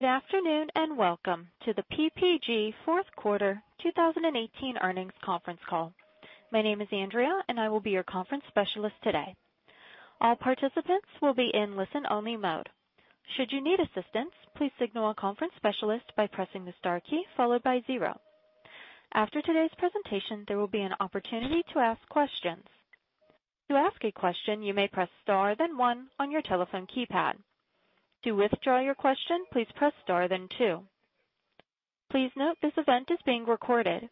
Good afternoon, and welcome to the PPG fourth quarter 2018 earnings conference call. My name is Andrea, and I will be your conference specialist today. All participants will be in listen-only mode. Should you need assistance, please signal a conference specialist by pressing the star key followed by zero. After today's presentation, there will be an opportunity to ask questions. To ask a question, you may press star then one on your telephone keypad. To withdraw your question, please press star then two. Please note this event is being recorded.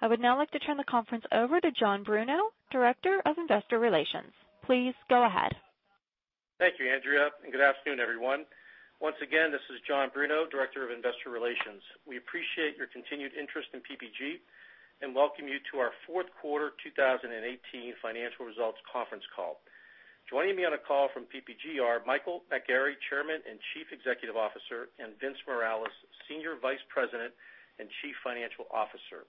I would now like to turn the conference over to John Bruno, Director of Investor Relations. Please go ahead. Thank you, Andrea, and good afternoon, everyone. Once again, this is John Bruno, Director of Investor Relations. We appreciate your continued interest in PPG, and welcome you to our fourth quarter 2018 financial results conference call. Joining me on the call from PPG are Michael McGarry, Chairman and Chief Executive Officer, and Vincent Morales, Senior Vice President and Chief Financial Officer.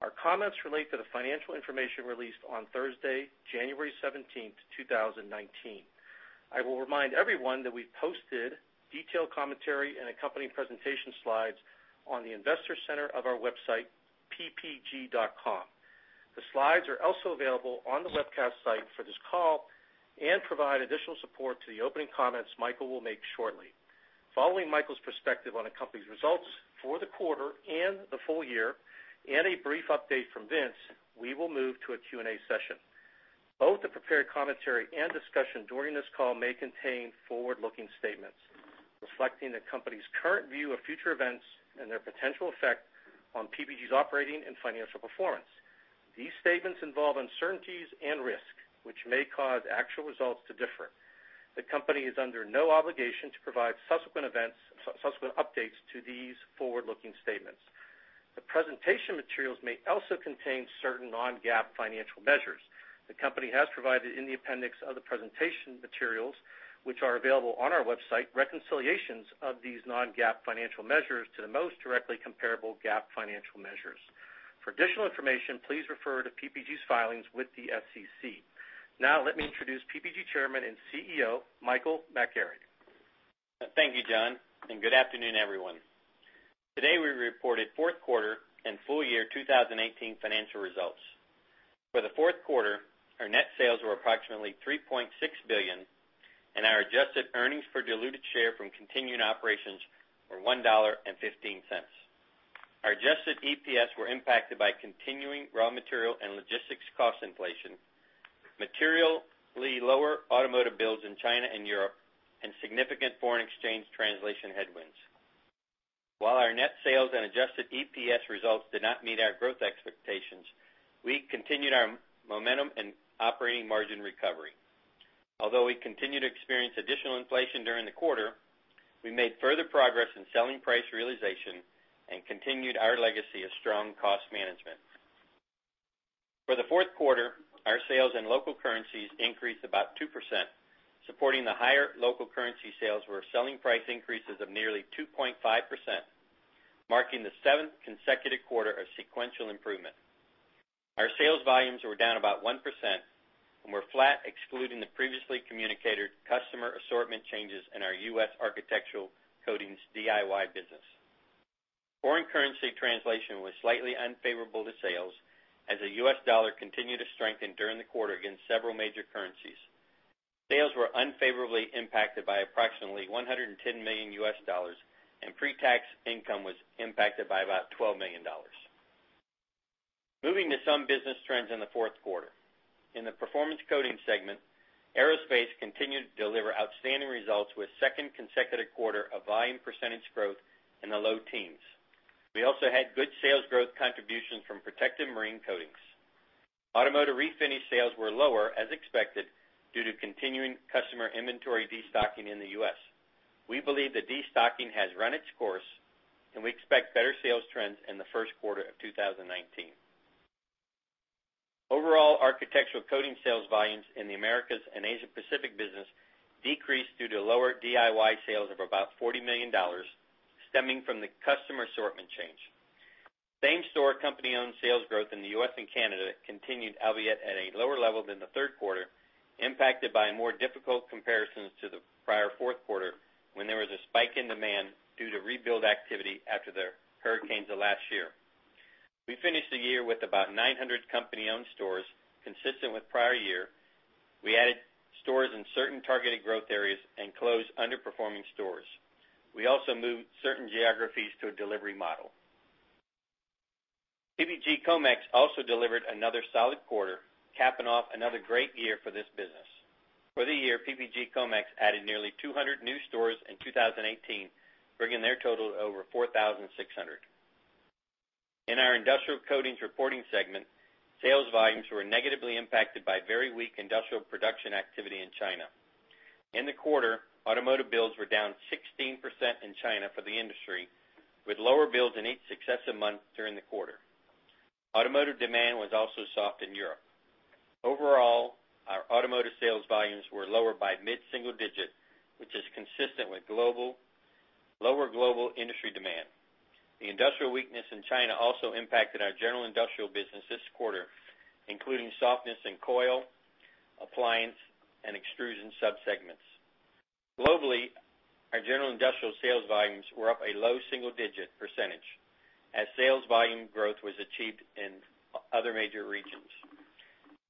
Our comments relate to the financial information released on Thursday, January 17th, 2019. I will remind everyone that we posted detailed commentary and accompanying presentation slides on the investor center of our website, ppg.com. The slides are also available on the webcast site for this call and provide additional support to the opening comments Michael will make shortly. Following Michael's perspective on the company's results for the quarter and the full year, and a brief update from Vince, we will move to a Q&A session. Both the prepared commentary and discussion during this call may contain forward-looking statements reflecting the company's current view of future events and their potential effect on PPG's operating and financial performance. These statements involve uncertainties and risk, which may cause actual results to differ. The company is under no obligation to provide subsequent updates to these forward-looking statements. The presentation materials may also contain certain non-GAAP financial measures. The company has provided in the appendix of the presentation materials, which are available on our website, reconciliations of these non-GAAP financial measures to the most directly comparable GAAP financial measures. For additional information, please refer to PPG's filings with the SEC. Now, let me introduce PPG Chairman and CEO, Michael McGarry. Thank you, John, and good afternoon, everyone. Today, we reported fourth quarter and full year 2018 financial results. For the fourth quarter, our net sales were approximately $3.6 billion, and our adjusted earnings per diluted share from continuing operations were $1.15. Our adjusted EPS were impacted by continuing raw material and logistics cost inflation, materially lower automotive builds in China and Europe, and significant foreign exchange translation headwinds. While our net sales and adjusted EPS results did not meet our growth expectations, we continued our momentum and operating margin recovery. Although we continued to experience additional inflation during the quarter, we made further progress in selling price realization and continued our legacy of strong cost management. For the fourth quarter, our sales in local currencies increased about 2%, supporting the higher local currency sales were selling price increases of nearly 2.5%, marking the seventh consecutive quarter of sequential improvement. Our sales volumes were down about 1% and were flat excluding the previously communicated customer assortment changes in our U.S. architectural coatings DIY business. Foreign currency translation was slightly unfavorable to sales as the U.S. dollar continued to strengthen during the quarter against several major currencies. Sales were unfavorably impacted by approximately $110 million, and pre-tax income was impacted by about $12 million. Moving to some business trends in the fourth quarter. In the Performance Coatings segment, aerospace continued to deliver outstanding results with second consecutive quarter of volume percentage growth in the low teens. We also had good sales growth contributions from protective marine coatings. Automotive refinish sales were lower as expected due to continuing customer inventory de-stocking in the U.S. We believe that de-stocking has run its course, and we expect better sales trends in the first quarter of 2019. Overall, Architectural Coatings sales volumes in the Americas and Asia Pacific business decreased due to lower DIY sales of about $40 million stemming from the customer assortment change. Same store company-owned sales growth in the U.S. and Canada continued, albeit at a lower level than the third quarter, impacted by more difficult comparisons to the prior fourth quarter when there was a spike in demand due to rebuild activity after the hurricanes of last year. We finished the year with about 900 company-owned stores, consistent with prior year. We added stores in certain targeted growth areas and closed underperforming stores. We also moved certain geographies to a delivery model. PPG Comex also delivered another solid quarter, capping off another great year for this business. For the year, PPG Comex added nearly 200 new stores in 2018, bringing their total to over 4,600. In our Industrial Coatings reporting segment, sales volumes were negatively impacted by very weak industrial production activity in China. In the quarter, automotive builds were down 16% in China for the industry, with lower builds in each successive month during the quarter. Automotive demand was also soft in Europe. Overall, our automotive sales volumes were lower by mid-single digit, which is consistent with lower global industry demand. The industrial weakness in China also impacted our general industrial business this quarter, including softness in coil, appliance, and extrusion subsegments. Globally, our general industrial sales volumes were up a low single-digit percentage as sales volume growth was achieved in other major regions.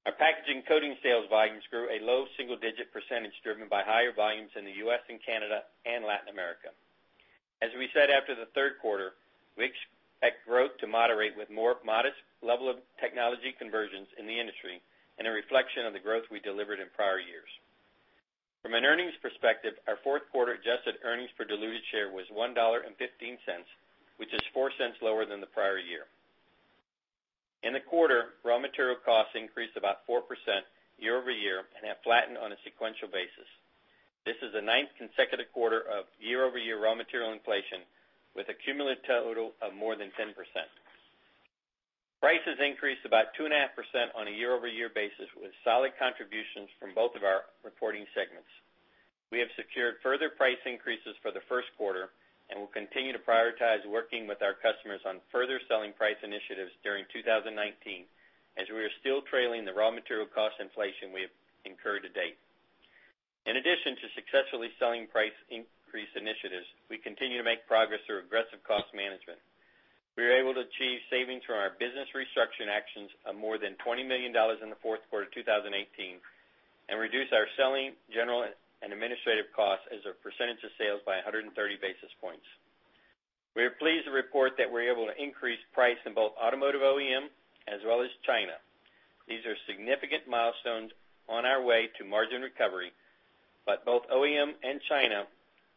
Our packaging coating sales volumes grew a low single-digit percentage, driven by higher volumes in the U.S. and Canada and Latin America. As we said after the third quarter, we expect growth to moderate with more modest level of technology conversions in the industry and a reflection of the growth we delivered in prior years. From an earnings perspective, our fourth quarter-adjusted earnings per diluted share was $1.15, which is $0.04 lower than the prior year. In the quarter, raw material costs increased about 4% year-over-year and have flattened on a sequential basis. This is the ninth consecutive quarter of year-over-year raw material inflation, with a cumulative total of more than 10%. Prices increased about 2.5% on a year-over-year basis, with solid contributions from both of our reporting segments. We have secured further price increases for the first quarter and will continue to prioritize working with our customers on further selling price initiatives during 2019, as we are still trailing the raw material cost inflation we have incurred to date. In addition to successful selling price increase initiatives, we continue to make progress through aggressive cost management. We were able to achieve savings from our business restructuring actions of more than $20 million in the fourth quarter 2018 and reduce our selling, general, and administrative costs as a percentage of sales by 130 basis points. We are pleased to report that we are able to increase price in both automotive OEM as well as China. These are significant milestones on our way to margin recovery, but both OEM and China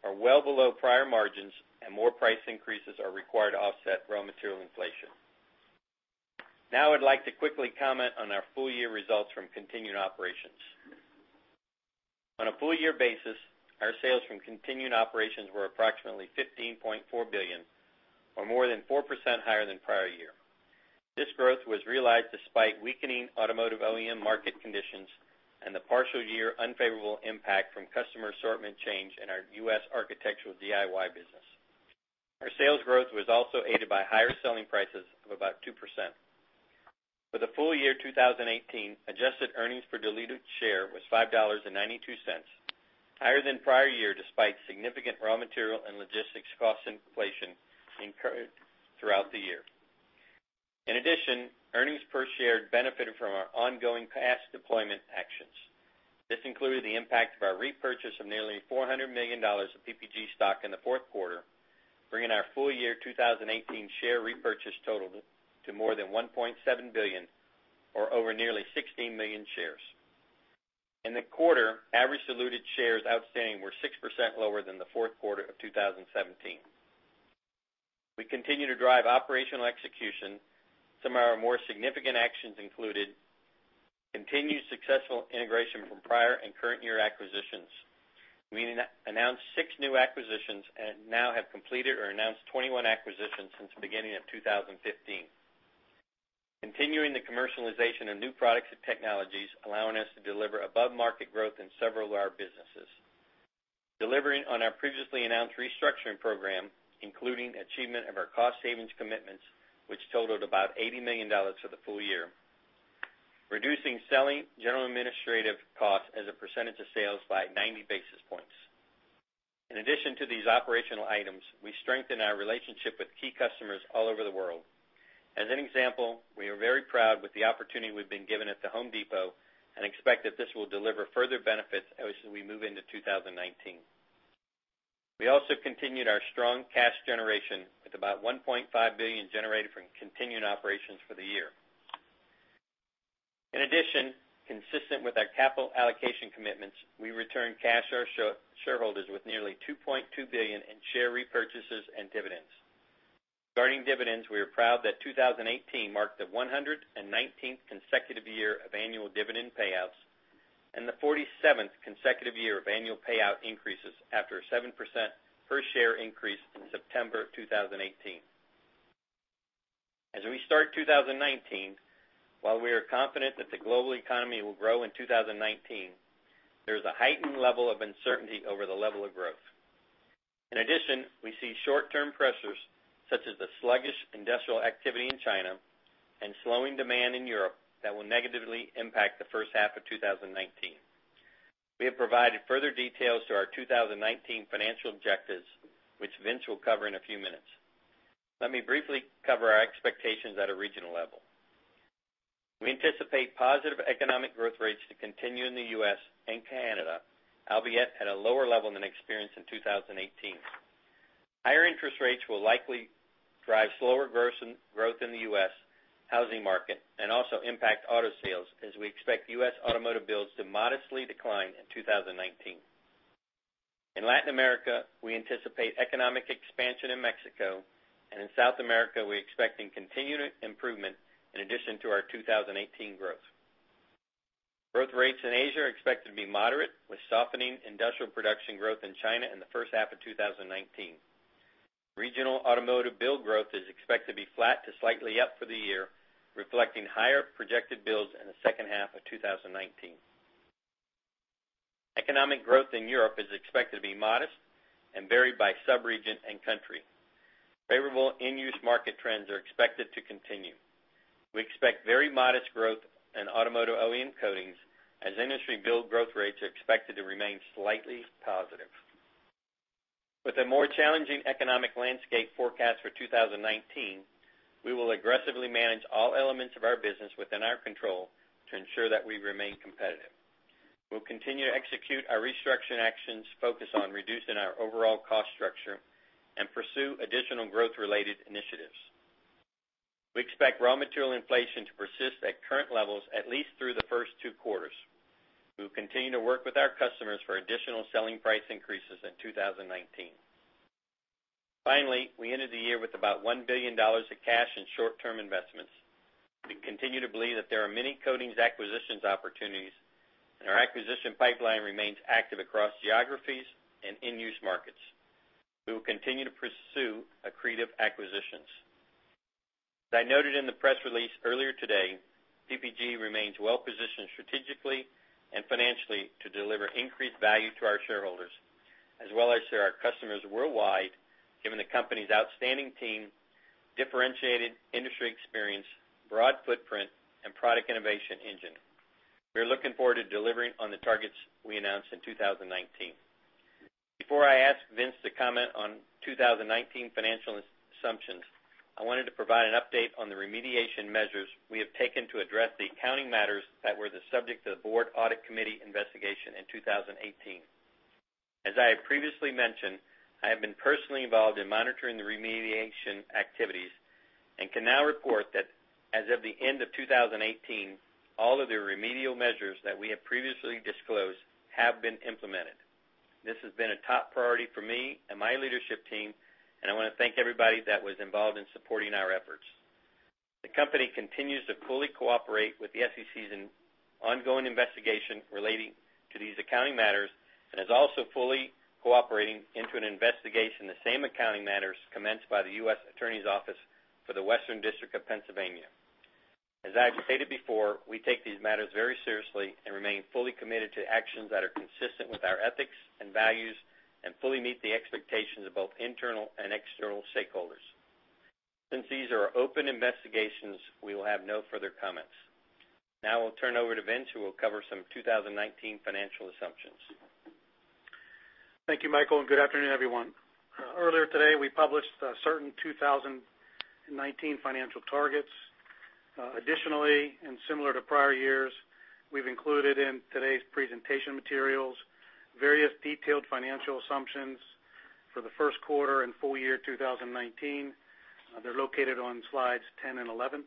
are well below prior margins, and more price increases are required to offset raw material inflation. I'd like to quickly comment on our full year results from continued operations. On a full year basis, our sales from continued operations were approximately $15.4 billion, or more than 4% higher than prior year. This growth was realized despite weakening automotive OEM market conditions and the partial year unfavorable impact from customer assortment change in our U.S. architectural DIY business. Our sales growth was also aided by higher selling prices of about 2%. For the full year 2018, adjusted earnings per diluted share was $5.92, higher than prior year despite significant raw material and logistics cost inflation incurred throughout the year. In addition, earnings per share benefited from our ongoing cash deployment actions. This included the impact of our repurchase of nearly $400 million of PPG stock in the fourth quarter, bringing our full year 2018 share repurchase total to more than $1.7 billion, or over nearly 16 million shares. In the quarter, average diluted shares outstanding were 6% lower than the fourth quarter of 2017. We continue to drive operational execution. Some of our more significant actions included continued successful integration from prior and current year acquisitions. We announced six new acquisitions and now have completed or announced 21 acquisitions since the beginning of 2015. Continuing the commercialization of new products and technologies, allowing us to deliver above-market growth in several of our businesses. Delivering on our previously announced restructuring program, including achievement of our cost savings commitments, which totaled about $80 million for the full year. Reducing selling, general, administrative costs as a percentage of sales by 90 basis points. In addition to these operational items, we strengthened our relationship with key customers all over the world. As an example, we are very proud with the opportunity we have been given at The Home Depot and expect that this will deliver further benefits as we move into 2019. We also continued our strong cash generation with about $1.5 billion generated from continued operations for the year. In addition, consistent with our capital allocation commitments, we returned cash to our shareholders with nearly $2.2 billion in share repurchases and dividends. Regarding dividends, we are proud that 2018 marked the 119th consecutive year of annual dividend payouts and the 47th consecutive year of annual payout increases after a 7% per share increase in September 2018. We start 2019, while we are confident that the global economy will grow in 2019, there is a heightened level of uncertainty over the level of growth. In addition, we see short-term pressures such as the sluggish industrial activity in China and slowing demand in Europe that will negatively impact the first half of 2019. We have provided further details to our 2019 financial objectives, which Vince will cover in a few minutes. Let me briefly cover our expectations at a regional level. We anticipate positive economic growth rates to continue in the U.S. and Canada, albeit at a lower level than experienced in 2018. Higher interest rates will likely drive slower growth in the U.S. housing market and also impact auto sales, as we expect U.S. automotive builds to modestly decline in 2019. In Latin America, we anticipate economic expansion in Mexico, and in South America, we are expecting continued improvement in addition to our 2018 growth. Growth rates in Asia are expected to be moderate, with softening industrial production growth in China in the first half of 2019. Regional automotive build growth is expected to be flat to slightly up for the year, reflecting higher projected builds in the second half of 2019. Economic growth in Europe is expected to be modest and varied by sub-region and country. Favorable end-use market trends are expected to continue. We expect very modest growth in automotive OEM coatings, as industry build growth rates are expected to remain slightly positive. With a more challenging economic landscape forecast for 2019, we will aggressively manage all elements of our business within our control to ensure that we remain competitive. We will continue to execute our restructuring actions, focus on reducing our overall cost structure, and pursue additional growth-related initiatives. We expect raw material inflation to persist at current levels, at least through the first two quarters. We will continue to work with our customers for additional selling price increases in 2019. Finally, we ended the year with about $1 billion of cash in short-term investments. We continue to believe that there are many coatings acquisitions opportunities, and our acquisition pipeline remains active across geographies and end-use markets. We will continue to pursue accretive acquisitions. As I noted in the press release earlier today, PPG remains well-positioned strategically and financially to deliver increased value to our shareholders, as well as to our customers worldwide, given the company's outstanding team, differentiated industry experience, broad footprint, and product innovation engine. We are looking forward to delivering on the targets we announced in 2019. Before I ask Vince to comment on 2019 financial assumptions, I wanted to provide an update on the remediation measures we have taken to address the accounting matters that were the subject of the board audit committee investigation in 2018. As I have previously mentioned, I have been personally involved in monitoring the remediation activities and can now report that as of the end of 2018, all of the remedial measures that we have previously disclosed have been implemented. This has been a top priority for me and my leadership team, and I want to thank everybody that was involved in supporting our efforts. The company continues to fully cooperate with the SEC's ongoing investigation relating to these accounting matters, and is also fully cooperating into an investigation of the same accounting matters commenced by the U.S. Attorney's Office for the Western District of Pennsylvania. As I have stated before, we take these matters very seriously and remain fully committed to actions that are consistent with our ethics and values and fully meet the expectations of both internal and external stakeholders. Since these are open investigations, we will have no further comments. Now I will turn over to Vince, who will cover some 2019 financial assumptions. Thank you, Michael, and good afternoon, everyone. Earlier today, we published certain 2019 financial targets. Similar to prior years, we've included in today's presentation materials various detailed financial assumptions for the first quarter and full year 2019. They're located on slides 10 and 11.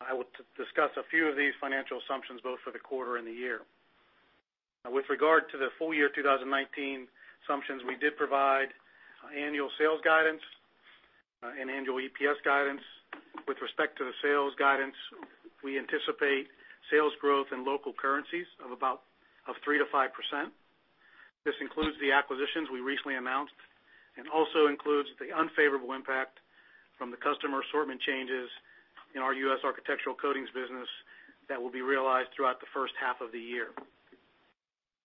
I will discuss a few of these financial assumptions, both for the quarter and the year. With regard to the full year 2019 assumptions, we did provide annual sales guidance and annual EPS guidance. With respect to the sales guidance, we anticipate sales growth in local currencies of 3%-5%. This includes the acquisitions we recently announced and also includes the unfavorable impact from the customer assortment changes in our U.S. Architectural Coatings business that will be realized throughout the first half of the year.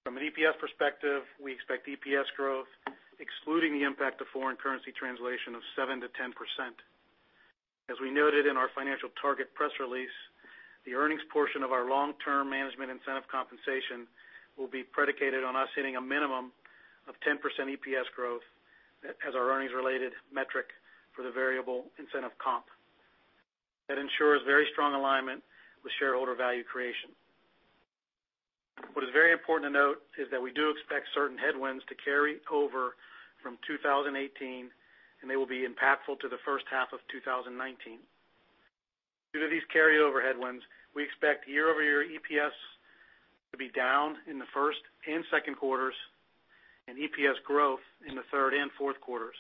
From an EPS perspective, we expect EPS growth, excluding the impact of foreign currency translation, of 7%-10%. As we noted in our financial target press release, the earnings portion of our long-term management incentive compensation will be predicated on us hitting a minimum of 10% EPS growth as our earnings-related metric for the variable incentive comp. That ensures very strong alignment with shareholder value creation. What is very important to note is that we do expect certain headwinds to carry over from 2018. They will be impactful to the first half of 2019. Due to these carryover headwinds, we expect year-over-year EPS to be down in the first and second quarters and EPS growth in the third and fourth quarters.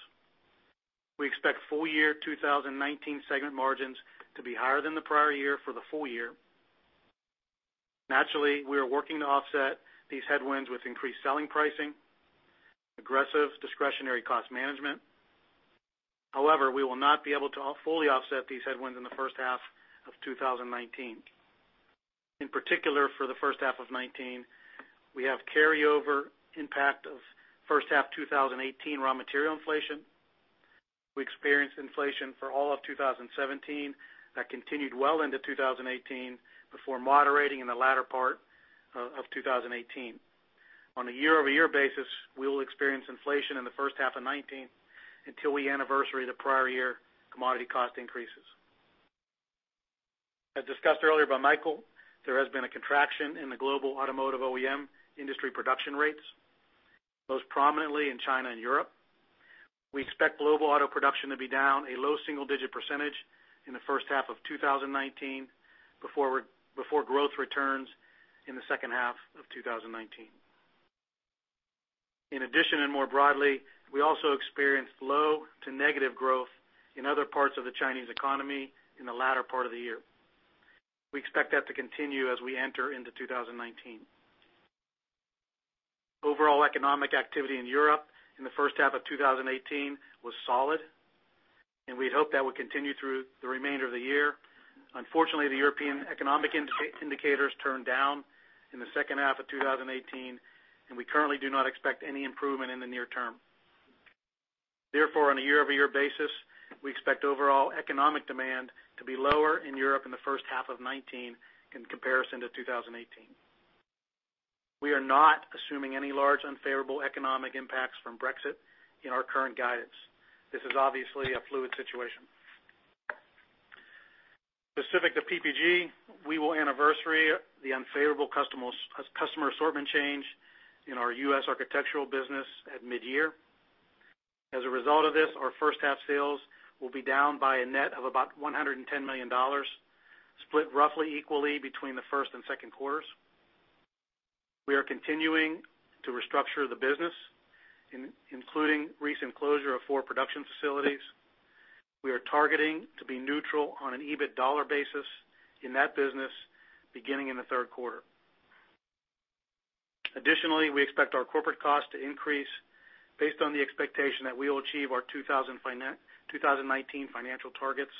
We expect full year 2019 segment margins to be higher than the prior year for the full year. Naturally, we are working to offset these headwinds with increased selling pricing, aggressive discretionary cost management. We will not be able to fully offset these headwinds in the first half of 2019. In particular, for the first half of 2019, we have carryover impact of first half 2018 raw material inflation. We experienced inflation for all of 2017. That continued well into 2018 before moderating in the latter part of 2018. On a year-over-year basis, we will experience inflation in the first half of 2019 until we anniversary the prior year commodity cost increases. As discussed earlier by Michael, there has been a contraction in the global automotive OEM industry production rates, most prominently in China and Europe. We expect global auto production to be down a low single-digit percentage in the first half of 2019 before growth returns in the second half of 2019. In addition, and more broadly, we also experienced low to negative growth in other parts of the Chinese economy in the latter part of the year. We expect that to continue as we enter into 2019. Overall economic activity in Europe in the first half of 2018 was solid. We'd hope that would continue through the remainder of the year. Unfortunately, the European economic indicators turned down in the second half of 2018, and we currently do not expect any improvement in the near term. Therefore, on a year-over-year basis, we expect overall economic demand to be lower in Europe in the first half of 2019 in comparison to 2018. We are not assuming any large unfavorable economic impacts from Brexit in our current guidance. This is obviously a fluid situation. Specific to PPG, we will anniversary the unfavorable customer assortment change in our U.S. architectural business at mid-year. As a result of this, our first half sales will be down by a net of about $110 million, split roughly equally between the first and second quarters. We are continuing to restructure the business, including recent closure of four production facilities. We are targeting to be neutral on an EBIT dollar basis in that business beginning in the third quarter. Additionally, we expect our corporate cost to increase based on the expectation that we will achieve our 2019 financial targets,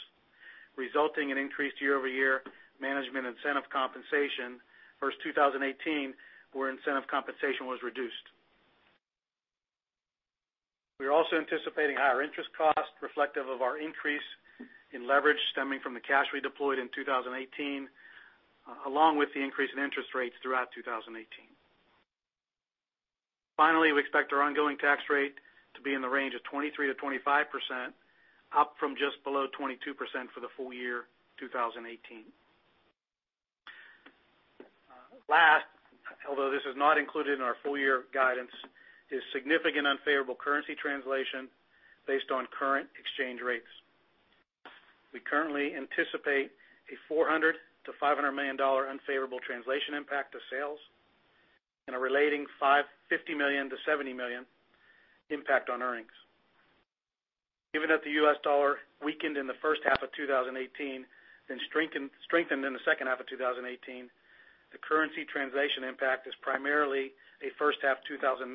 resulting in increased year-over-year management incentive compensation versus 2018, where incentive compensation was reduced. We are also anticipating higher interest costs reflective of our increase in leverage stemming from the cash we deployed in 2018, along with the increase in interest rates throughout 2018. Finally, we expect our ongoing tax rate to be in the range of 23%-25%, up from just below 22% for the full year 2018. Last, although this is not included in our full year guidance, is significant unfavorable currency translation based on current exchange rates. We currently anticipate a $400 million-$500 million unfavorable translation impact to sales, and a related $50 million-$70 million impact on earnings. Given that the U.S. dollar weakened in the first half of 2018, then strengthened in the second half of 2018, the currency translation impact is primarily a first half 2019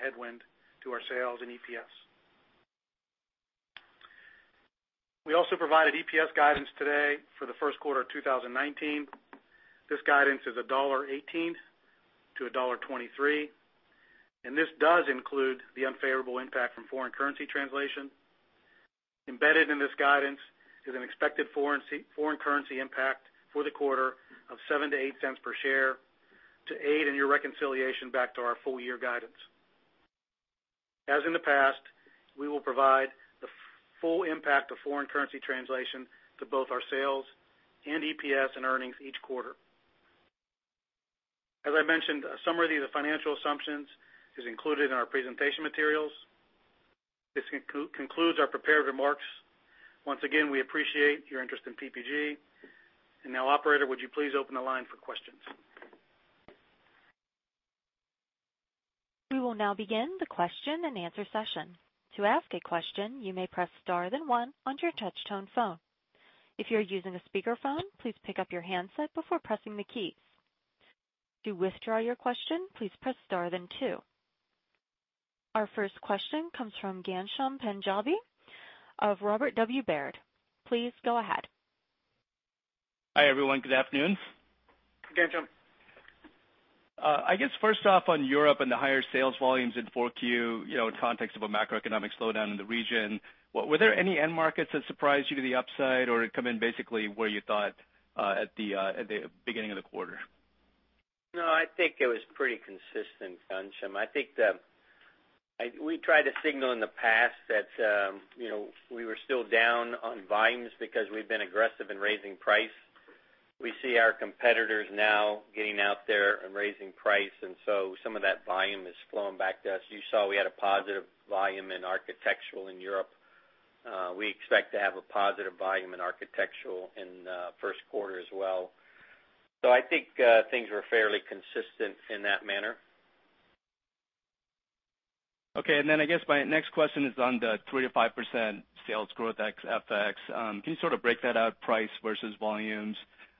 headwind to our sales and EPS. We also provided EPS guidance today for the first quarter of 2019. This guidance is $1.18-$1.23, and this does include the unfavorable impact from foreign currency translation. Embedded in this guidance is an expected foreign currency impact for the quarter of $0.07-$0.08 per share to aid in your reconciliation back to our full year guidance. As in the past, we will provide the full impact of foreign currency translation to both our sales and EPS and earnings each quarter. As I mentioned, a summary of the financial assumptions is included in our presentation materials. This concludes our prepared remarks. Once again, we appreciate your interest in PPG. Now, operator, would you please open the line for questions? We will now begin the question and answer session. To ask a question, you may press star then one on your touch tone phone. If you're using a speakerphone, please pick up your handset before pressing the keys. To withdraw your question, please press star then two. Our first question comes from Ghansham Panjabi of Robert W. Baird. Please go ahead. Hi, everyone. Good afternoon. Hi, Ghansham. I guess first off on Europe and the higher sales volumes in 4Q, in context of a macroeconomic slowdown in the region, were there any end markets that surprised you to the upside or come in basically where you thought at the beginning of the quarter? No, I think it was pretty consistent, Ghansham. We tried to signal in the past that we were still down on volumes because we've been aggressive in raising price. We see our competitors now getting out there and raising price, some of that volume is flowing back to us. You saw we had a positive volume in architectural in Europe. We expect to have a positive volume in architectural in first quarter as well. I think things were fairly consistent in that manner. Okay. Then I guess my next question is on the 3%-5% sales growth ex FX. Can you sort of break that out price versus volumes?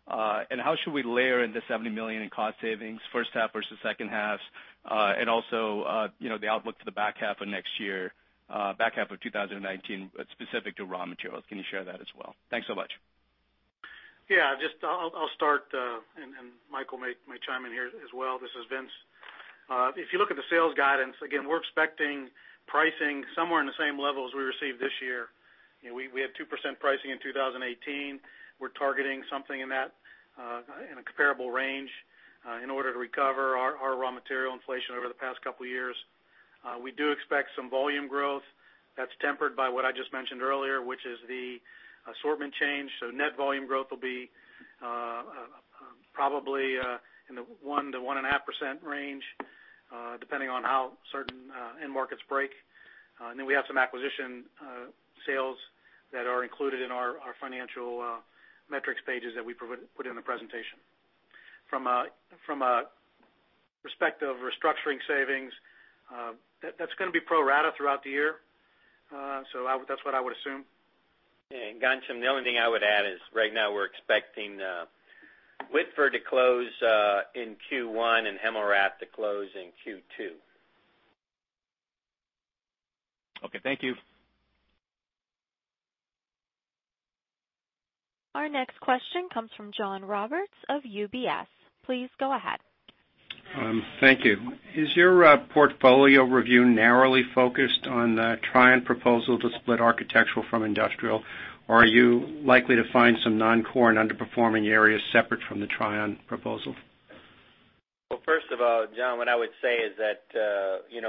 How should we layer in the $70 million in cost savings, first half versus second half? Also, the outlook for the back half of next year, back half of 2019, specific to raw materials. Can you share that as well? Thanks so much. Yeah. I'll start, Michael may chime in here as well. This is Vince. If you look at the sales guidance, again, we're expecting pricing somewhere in the same level as we received this year. We had 2% pricing in 2018. We're targeting something in a comparable range in order to recover our raw material inflation over the past couple of years. We do expect some volume growth. That's tempered by what I just mentioned earlier, which is the assortment change. Net volume growth will be probably in the 1%-1.5% range, depending on how certain end markets break. Then we have some acquisition sales that are included in our financial metrics pages that we put in the presentation. From a perspective of restructuring savings, that's going to be pro rata throughout the year. That's what I would assume. Ghansham, the only thing I would add is right now we're expecting Whitford to close in Q1 and Hemmelrath to close in Q2. Okay. Thank you. Our next question comes from John Roberts of UBS. Please go ahead. Thank you. Is your portfolio review narrowly focused on the Trian proposal to split architectural from industrial? Are you likely to find some non-core and underperforming areas separate from the Trian proposal? Well, first of all, John, what I would say is that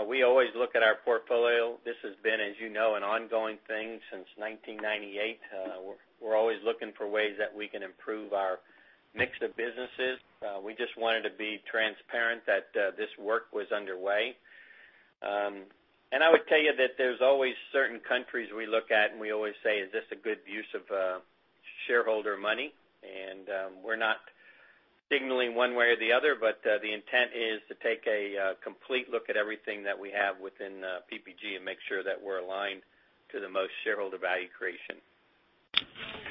we always look at our portfolio. This has been, as you know, an ongoing thing since 1998. We are always looking for ways that we can improve our mix of businesses. We just wanted to be transparent that this work was underway. I would tell you that there is always certain countries we look at, and we always say, "Is this a good use of shareholder money?" We are not signaling one way or the other, but the intent is to take a complete look at everything that we have within PPG and make sure that we are aligned to the most shareholder value creation.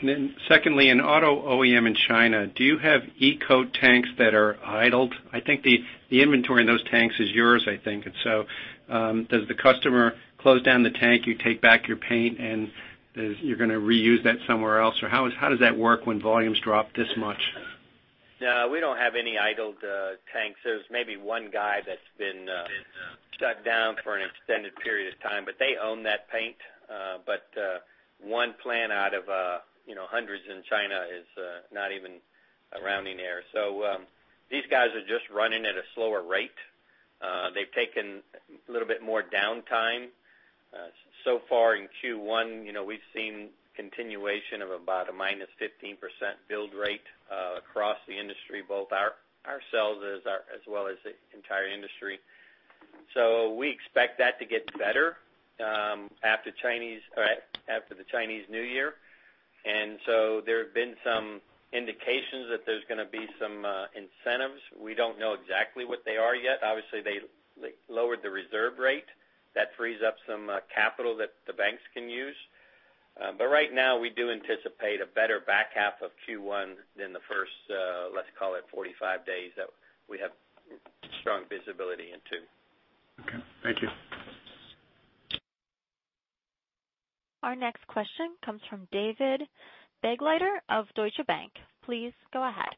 Then secondly, in auto OEM in China, do you have e-coat tanks that are idled? I think the inventory in those tanks is yours, I think. So, does the customer close down the tank, you take back your paint, and you are going to reuse that somewhere else? Or how does that work when volumes drop this much? No, we do not have any idled tanks. There is maybe one guy that has been shut down for an extended period of time, but they own that paint. One plant out of hundreds in China is not even a rounding error. These guys are just running at a slower rate. They have taken a little bit more downtime. Far in Q1, we have seen continuation of about a minus 15% build rate across the industry, both ourselves as well as the entire industry. We expect that to get better after the Chinese New Year. There have been some indications that there is going to be some incentives. We do not know exactly what they are yet. Obviously, they lowered the reserve rate. That frees up some capital that the banks can use. Right now, we do anticipate a better back half of Q1 than the first, let's call it 45 days, that we have strong visibility into. Okay. Thank you. Our next question comes from David Begleiter of Deutsche Bank. Please go ahead.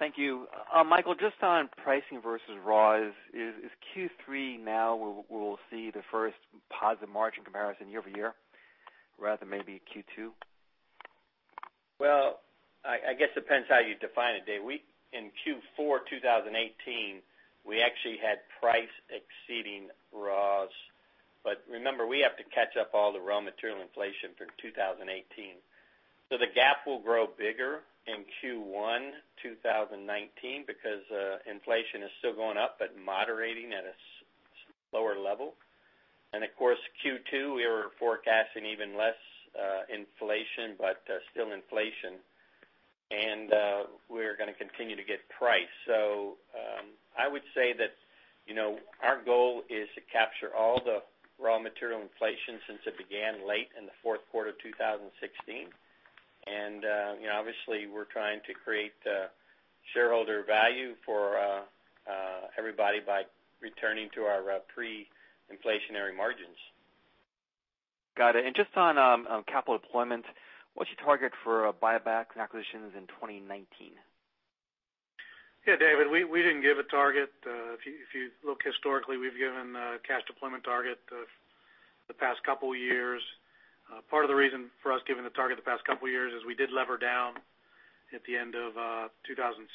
Thank you. Michael, just on pricing versus raws, is Q3 now where we'll see the first positive margin comparison year-over-year, rather than maybe Q2? I guess it depends how you define it, Dave. In Q4 2018, we actually had price exceeding raws. Remember, we have to catch up all the raw material inflation from 2018. The gap will grow bigger in Q1 2019 because inflation is still going up, but moderating at a slower level. Of course, Q2, we were forecasting even less inflation, but still inflation. We're going to continue to get price. I would say that our goal is to capture all the raw material inflation since it began late in the fourth quarter 2016. Obviously, we're trying to create shareholder value for everybody by returning to our pre-inflationary margins. Got it. Just on capital deployment, what's your target for buybacks and acquisitions in 2019? Yeah, David, we didn't give a target. If you look historically, we've given a cash deployment target the past couple years. Part of the reason for us giving the target the past couple of years is we did lever down at the end of 2016.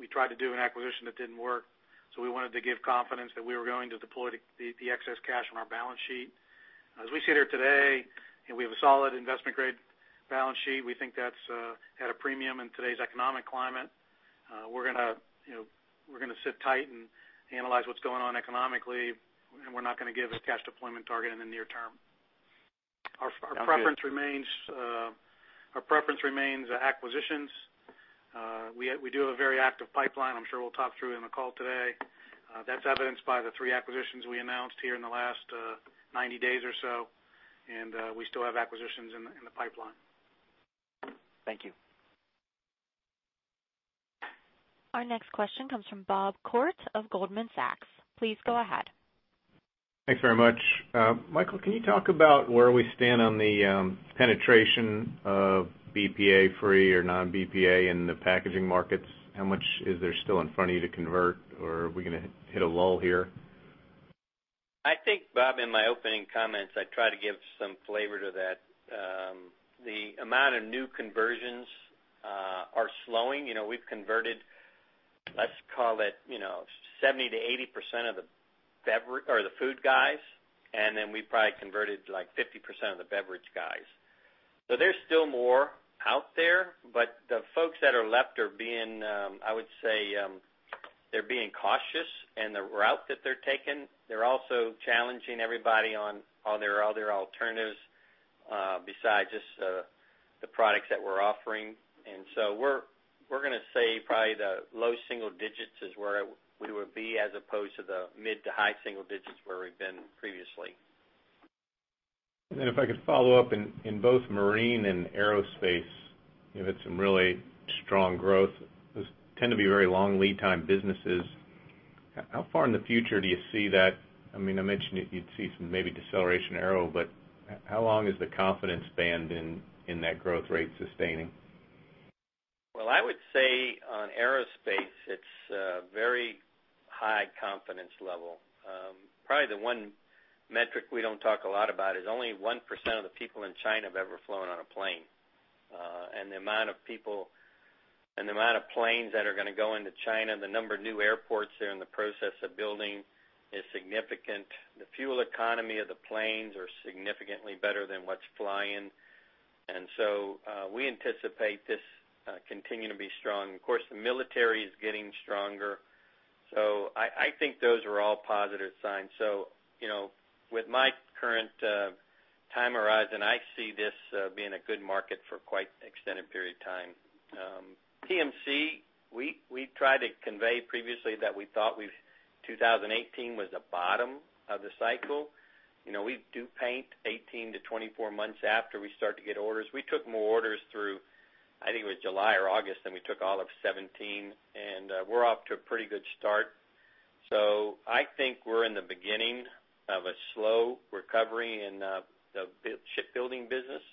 We tried to do an acquisition that didn't work, we wanted to give confidence that we were going to deploy the excess cash on our balance sheet. As we sit here today, we have a solid investment-grade balance sheet. We think that's at a premium in today's economic climate. We're going to sit tight and analyze what's going on economically, we're not going to give a cash deployment target in the near term. Sounds good. Our preference remains acquisitions. We do have a very active pipeline. I'm sure we'll talk through in the call today. That's evidenced by the three acquisitions we announced here in the last 90 days or so, we still have acquisitions in the pipeline. Thank you. Our next question comes from Bob Koort of Goldman Sachs. Please go ahead. Thanks very much. Michael, can you talk about where we stand on the penetration of BPA-free or non-BPA in the packaging markets? How much is there still in front of you to convert, or are we going to hit a lull here? I think, Bob, in my opening comments, I tried to give some flavor to that. The amount of new conversions are slowing. We've converted, let's call it, 70%-80% of the food guys, and then we've probably converted like 50% of the beverage guys. There's still more out there, but the folks that are left are being, I would say, they're being cautious in the route that they're taking. They're also challenging everybody on are there other alternatives besides just the products that we're offering. We're going to say probably the low single digits is where we would be as opposed to the mid to high single digits where we've been previously. If I could follow up. In both marine and aerospace, you've had some really strong growth. Those tend to be very long lead time businesses. How far in the future do you see that? I mentioned you'd see some maybe deceleration in aero, how long is the confidence band in that growth rate sustaining? Well, I would say on aerospace, it's a very high confidence level. Probably the one metric we don't talk a lot about is only 1% of the people in China have ever flown on a plane. The amount of planes that are going to go into China, the number of new airports they're in the process of building is significant. The fuel economy of the planes are significantly better than what's flying. We anticipate this continuing to be strong. Of course, the military is getting stronger, I think those are all positive signs. With my current time horizon, I see this being a good market for quite extended period of time. PMC, we tried to convey previously that we thought 2018 was the bottom of the cycle. We do paint 18 to 24 months after we start to get orders. We took more orders through, I think it was July or August, than we took all of 2017, we're off to a pretty good start. I think we're in the beginning of a slow recovery in the shipbuilding business.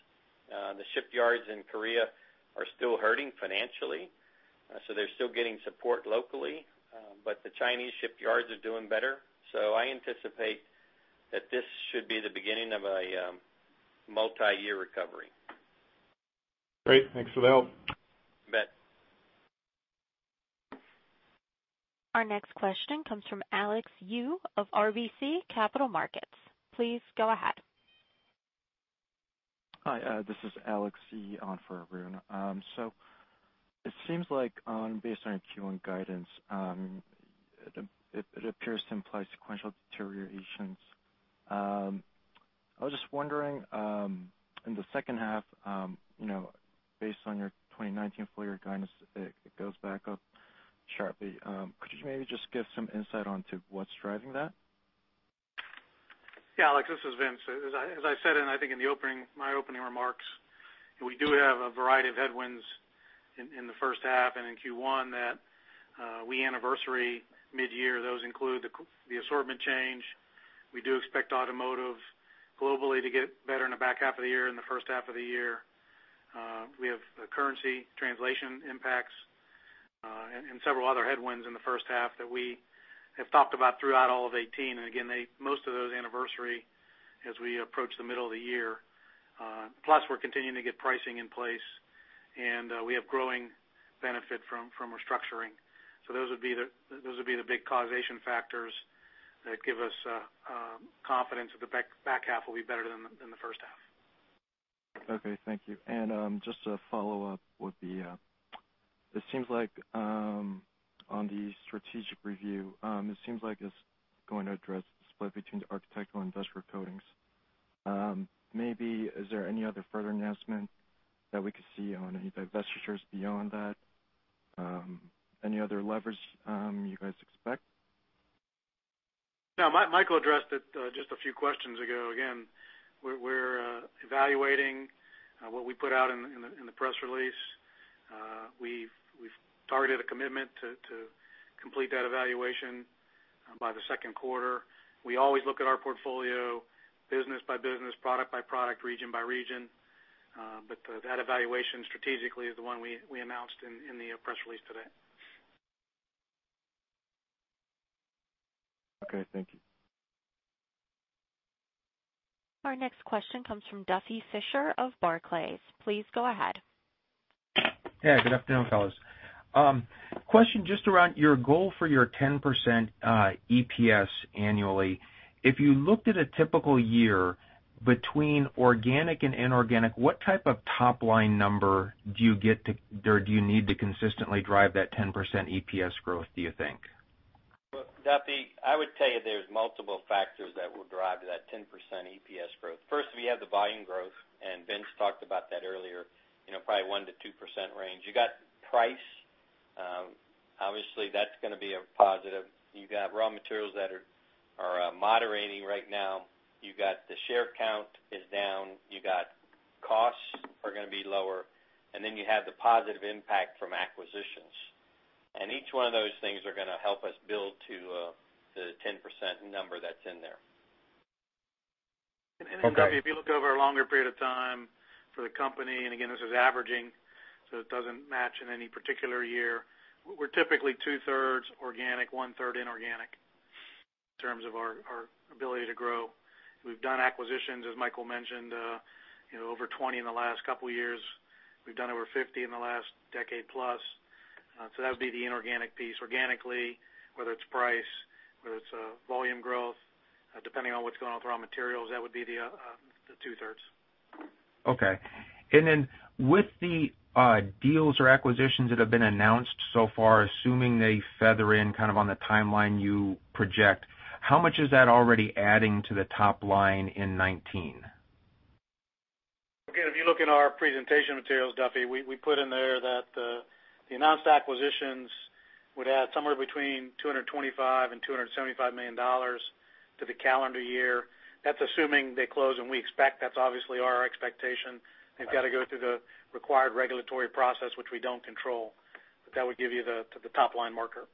The shipyards in Korea are still hurting financially, they're still getting support locally. The Chinese shipyards are doing better, I anticipate that this should be the beginning of a multi-year recovery. Great. Thanks for the help. You bet. Our next question comes from Alex Yu of RBC Capital Markets. Please go ahead. Hi, this is Alex Yu on for Arun. It seems like, based on your Q1 guidance, it appears to imply sequential deteriorations. I was just wondering, in the second half, based on your 2019 full year guidance, it goes back up sharply. Could you maybe just give some insight onto what's driving that? Yeah, Alex, this is Vince. As I said, I think in my opening remarks, we do have a variety of headwinds in the first half and in Q1 that we anniversary mid-year. Those include the assortment change. We do expect automotive globally to get better in the back half of the year and the first half of the year. We have the currency translation impacts, and several other headwinds in the first half that we have talked about throughout all of 2018. Again, most of those anniversary as we approach the middle of the year. Plus, we're continuing to get pricing in place, and we have growing benefit from restructuring. Those would be the big causation factors that give us confidence that the back half will be better than the first half. Okay, thank you. Just to follow up, it seems like on the strategic review, it seems like it's going to address the split between the architectural and industrial coatings. Maybe, is there any other further announcement that we could see on any divestitures beyond that? Any other levers you guys expect? No, Michael addressed it just a few questions ago. Again, we're evaluating what we put out in the press release. We've targeted a commitment to complete that evaluation by the second quarter. We always look at our portfolio business by business, product by product, region by region. That evaluation strategically is the one we announced in the press release today. Okay, thank you. Our next question comes from Duffy Fischer of Barclays. Please go ahead. Hey, good afternoon, fellas. Question just around your goal for your 10% EPS annually. If you looked at a typical year between organic and inorganic, what type of top-line number do you need to consistently drive that 10% EPS growth, do you think? Well, Duffy, I would tell you there's multiple factors that will drive that 10% EPS growth. First, we have the volume growth, Vince talked about that earlier. Probably 1%-2% range. You got price. Obviously, that's going to be a positive. You got raw materials that are moderating right now. You got the share count is down. You got costs are going to be lower. You have the positive impact from acquisitions. Each one of those things are going to help us build to the 10% number that's in there. Okay. Duffy, if you look over a longer period of time for the company, again, this is averaging, so it doesn't match in any particular year. We're typically two-thirds organic, one-third inorganic in terms of our ability to grow. We've done acquisitions, as Michael mentioned, over 20 in the last couple of years. We've done over 50 in the last decade plus. That would be the inorganic piece. Organically, whether it's price, whether it's volume growth, depending on what's going on with raw materials, that would be the two-thirds. Okay. With the deals or acquisitions that have been announced so far, assuming they feather in kind of on the timeline you project, how much is that already adding to the top-line in 2019? If you look in our presentation materials, Duffy, we put in there that the announced acquisitions would add somewhere between $225 million and $275 million to the calendar year. That's assuming they close, and that's obviously our expectation. They've got to go through the required regulatory process, which we don't control. That would give you the top-line marker.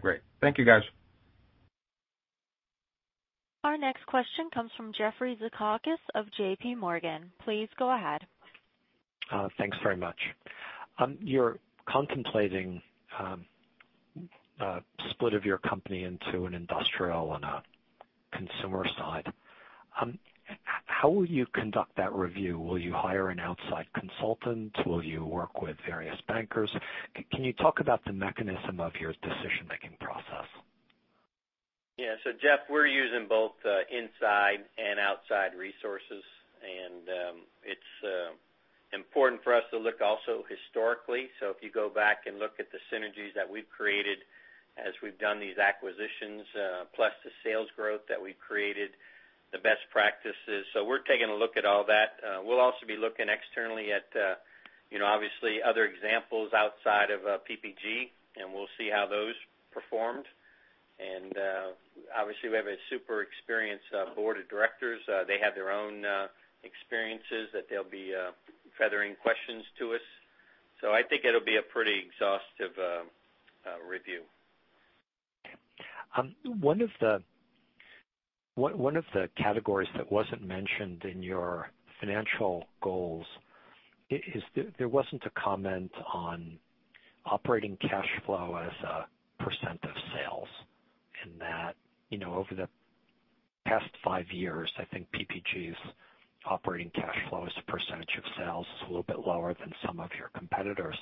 Great. Thank you, guys. Our next question comes from Jeff Zekauskas of J.P. Morgan. Please go ahead. Thanks very much. You're contemplating a split of your company into an industrial and a consumer side. How will you conduct that review? Will you hire an outside consultant? Will you work with various bankers? Can you talk about the mechanism of your decision-making process? Jeff, we're using both inside and outside resources, and it's important for us to look also historically. If you go back and look at the synergies that we've created as we've done these acquisitions, plus the sales growth that we've created, the best practices. We're taking a look at all that. We'll also be looking externally at, obviously, other examples outside of PPG, and we'll see how those performed. Obviously, we have a super experienced board of directors. They have their own experiences that they'll be feathering questions to us. I think it'll be a pretty exhaustive review. One of the categories that wasn't mentioned in your financial goals is, there wasn't a comment on operating cash flow as a % of sales. In that, over the past five years, I think PPG's operating cash flow as a % of sales is a little bit lower than some of your competitors.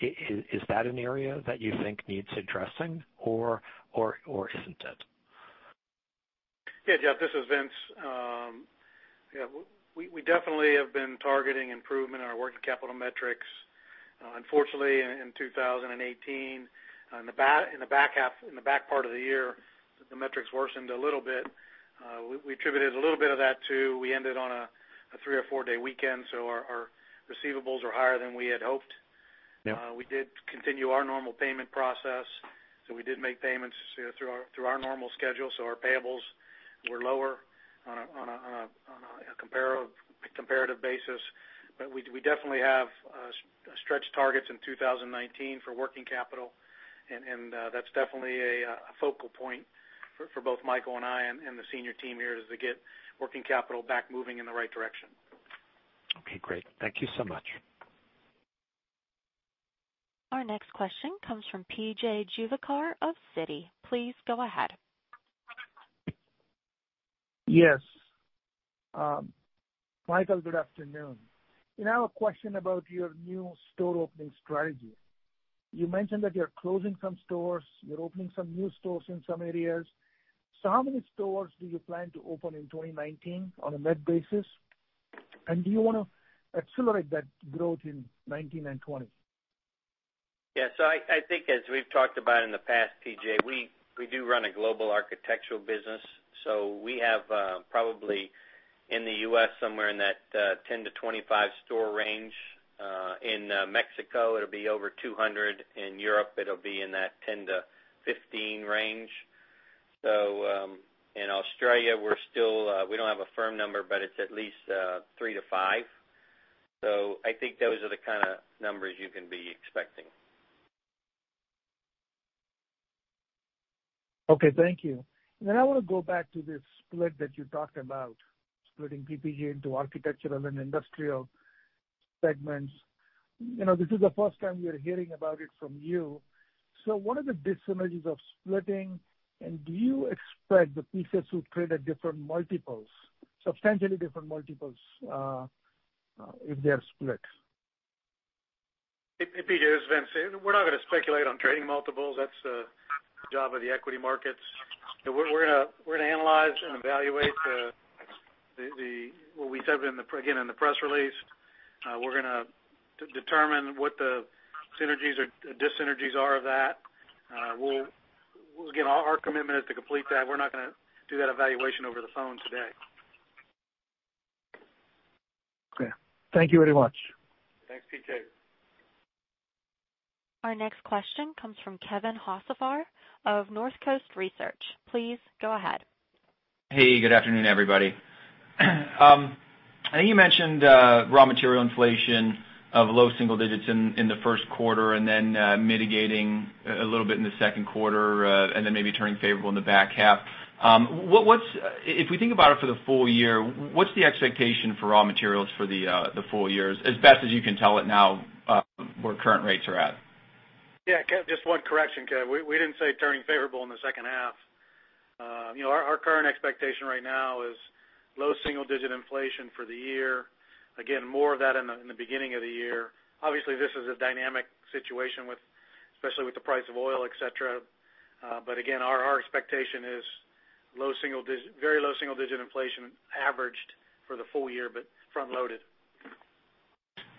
Is that an area that you think needs addressing, or isn't it? Yeah, Jeff, this is Vince. Yeah. We definitely have been targeting improvement in our working capital metrics. Unfortunately, in 2018, in the back part of the year, the metrics worsened a little bit. We attributed a little bit of that to, we ended on a three or four-day weekend. Our receivables are higher than we had hoped. Yeah. We did continue our normal payment process. We did make payments through our normal schedule. Our payables were lower on a comparative basis. We definitely have stretched targets in 2019 for working capital, and that's definitely a focal point for both Michael and I and the senior team here as they get working capital back moving in the right direction. Okay, great. Thank you so much. Our next question comes from P.J. Juvekar of Citi. Please go ahead. Yes. Michael, good afternoon. I have a question about your new store opening strategy. You mentioned that you're closing some stores, you're opening some new stores in some areas. How many stores do you plan to open in 2019 on a net basis? Do you want to accelerate that growth in 2019 and 2020? Yeah. I think as we've talked about in the past, P.J., we do run a global architectural business. We have, probably, in the U.S., somewhere in that 10-25 store range. In Mexico, it'll be over 200. In Europe, it'll be in that 10-15 range. In Australia, we don't have a firm number, but it's at least three to five. I think those are the kind of numbers you can be expecting. Okay, thank you. I want to go back to this split that you talked about, splitting PPG into architectural and industrial segments. This is the first time we are hearing about it from you. What are the dissimilarities of splitting, and do you expect the pieces to create substantially different multiples if they are split? Hey, P.J. This is Vince. We're not going to speculate on trading multiples. That's the job of the equity markets. We're going to analyze and evaluate what we said, again, in the press release. We're going to determine what the synergies or dis-synergies are of that. Again, our commitment is to complete that. We're not going to do that evaluation over the phone today. Okay. Thank you very much. Thanks, P.J. Our next question comes from Kevin Hocevar of Northcoast Research. Please go ahead. Hey, good afternoon, everybody. You mentioned raw material inflation of low single digits in the first quarter, then mitigating a little bit in the second quarter, then maybe turning favorable in the back half. If we think about it for the full year, what's the expectation for raw materials for the full year, as best as you can tell it now, where current rates are at? Just one correction, Kevin. We didn't say turning favorable in the second half. Our current expectation right now is low single digit inflation for the year. Again, more of that in the beginning of the year. Obviously, this is a dynamic situation, especially with the price of oil, et cetera. Again, our expectation is very low single digit inflation averaged for the full year, but front loaded.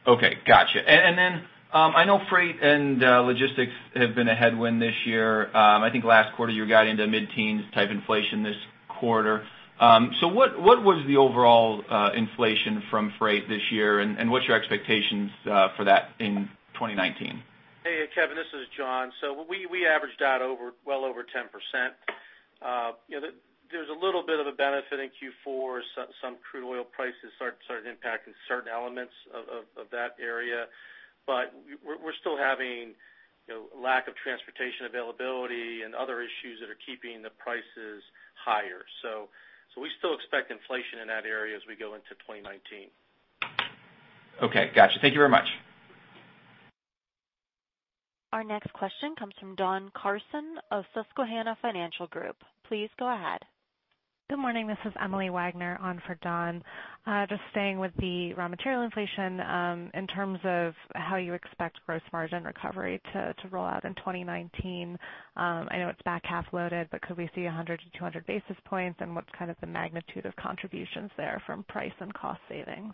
Okay, gotcha. Then I know freight and logistics have been a headwind this year. I think last quarter you got into mid-teens type inflation this quarter. What was the overall inflation from freight this year, and what's your expectations for that in 2019? Hey, Kevin, this is John. We averaged out well over 10%. There's a little bit of a benefit in Q4. Some crude oil prices started impacting certain elements of that area. We're still having lack of transportation availability and other issues that are keeping the prices higher. We still expect inflation in that area as we go into 2019. Okay, gotcha. Thank you very much. Our next question comes from Don Carson of Susquehanna Financial Group. Please go ahead. Good morning. This is Emily Wagner on for Don. Staying with the raw material inflation, in terms of how you expect gross margin recovery to roll out in 2019. I know it's back half loaded, but could we see 100 to 200 basis points, and what's kind of the magnitude of contributions there from price and cost savings?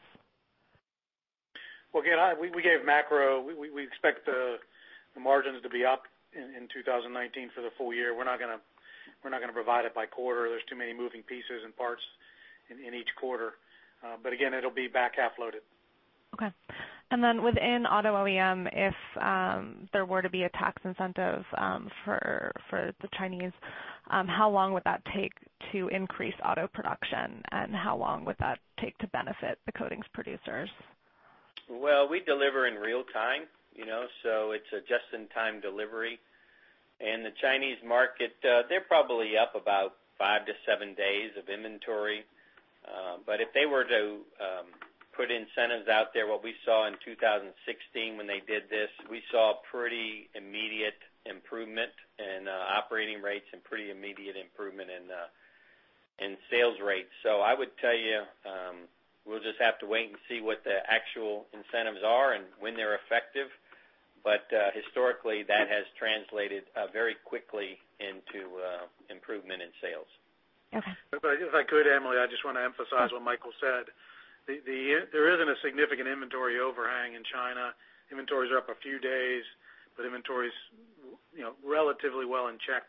Well, again, we gave macro. We expect the margins to be up in 2019 for the full year. We're not going to provide it by quarter. There's too many moving pieces and parts in each quarter. Again, it'll be back half loaded. Okay. Then within auto OEM, if there were to be a tax incentive for the Chinese, how long would that take to increase auto production, and how long would that take to benefit the coatings producers? Well, we deliver in real time, so it's a just-in-time delivery. The Chinese market, they're probably up about five to seven days of inventory. If they were to put incentives out there, what we saw in 2016 when they did this, we saw pretty immediate improvement in operating rates and pretty immediate improvement in sales rates. I would tell you, we'll just have to wait and see what the actual incentives are and when they're effective. Historically, that has translated very quickly into improvement in sales. Okay. If I could, Emily, I just want to emphasize what Michael said. There isn't a significant inventory overhang in China. Inventories are up a few days, but inventory's relatively well in check.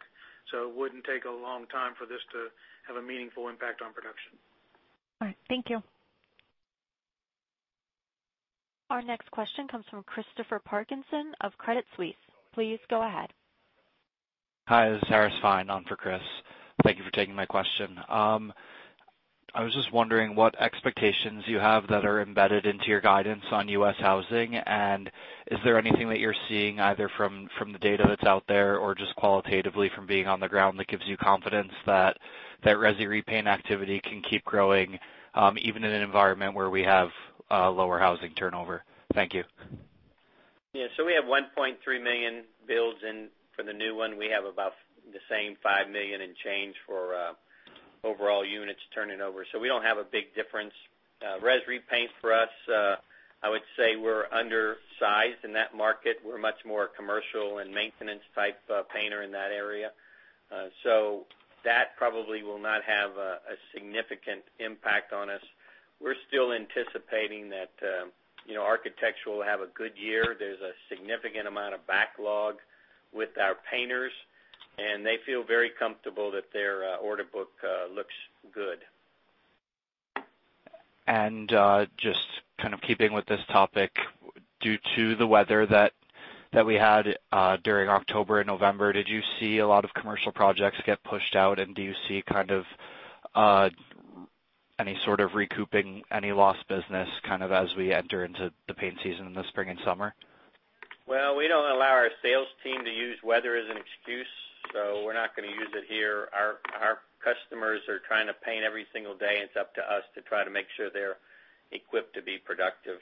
It wouldn't take a long time for this to have a meaningful impact on production. All right. Thank you. Our next question comes from Christopher Parkinson of Credit Suisse. Please go ahead. Hi, this is Harris Feine on for Chris. Thank you for taking my question. I was just wondering what expectations you have that are embedded into your guidance on U.S. housing, and is there anything that you're seeing either from the data that's out there or just qualitatively from being on the ground that gives you confidence that resi repaint activity can keep growing, even in an environment where we have lower housing turnover? Thank you. Yeah. We have 1.3 million builds in for the new one. We have about the same 5 million and change for overall units turning over. We don't have a big difference. Res repaint for us, I would say we're undersized in that market. We're much more commercial and maintenance type painter in that area. That probably will not have a significant impact on us. We're still anticipating that architectural will have a good year. There's a significant amount of backlog with our painters, and they feel very comfortable that their order book looks good. Just kind of keeping with this topic, due to the weather that we had during October and November, did you see a lot of commercial projects get pushed out? Do you see any sort of recouping any lost business kind of as we enter into the paint season in the spring and summer? We don't allow our sales team to use weather as an excuse, so we're not going to use it here. Our customers are trying to paint every single day, and it's up to us to try to make sure they're equipped to be productive.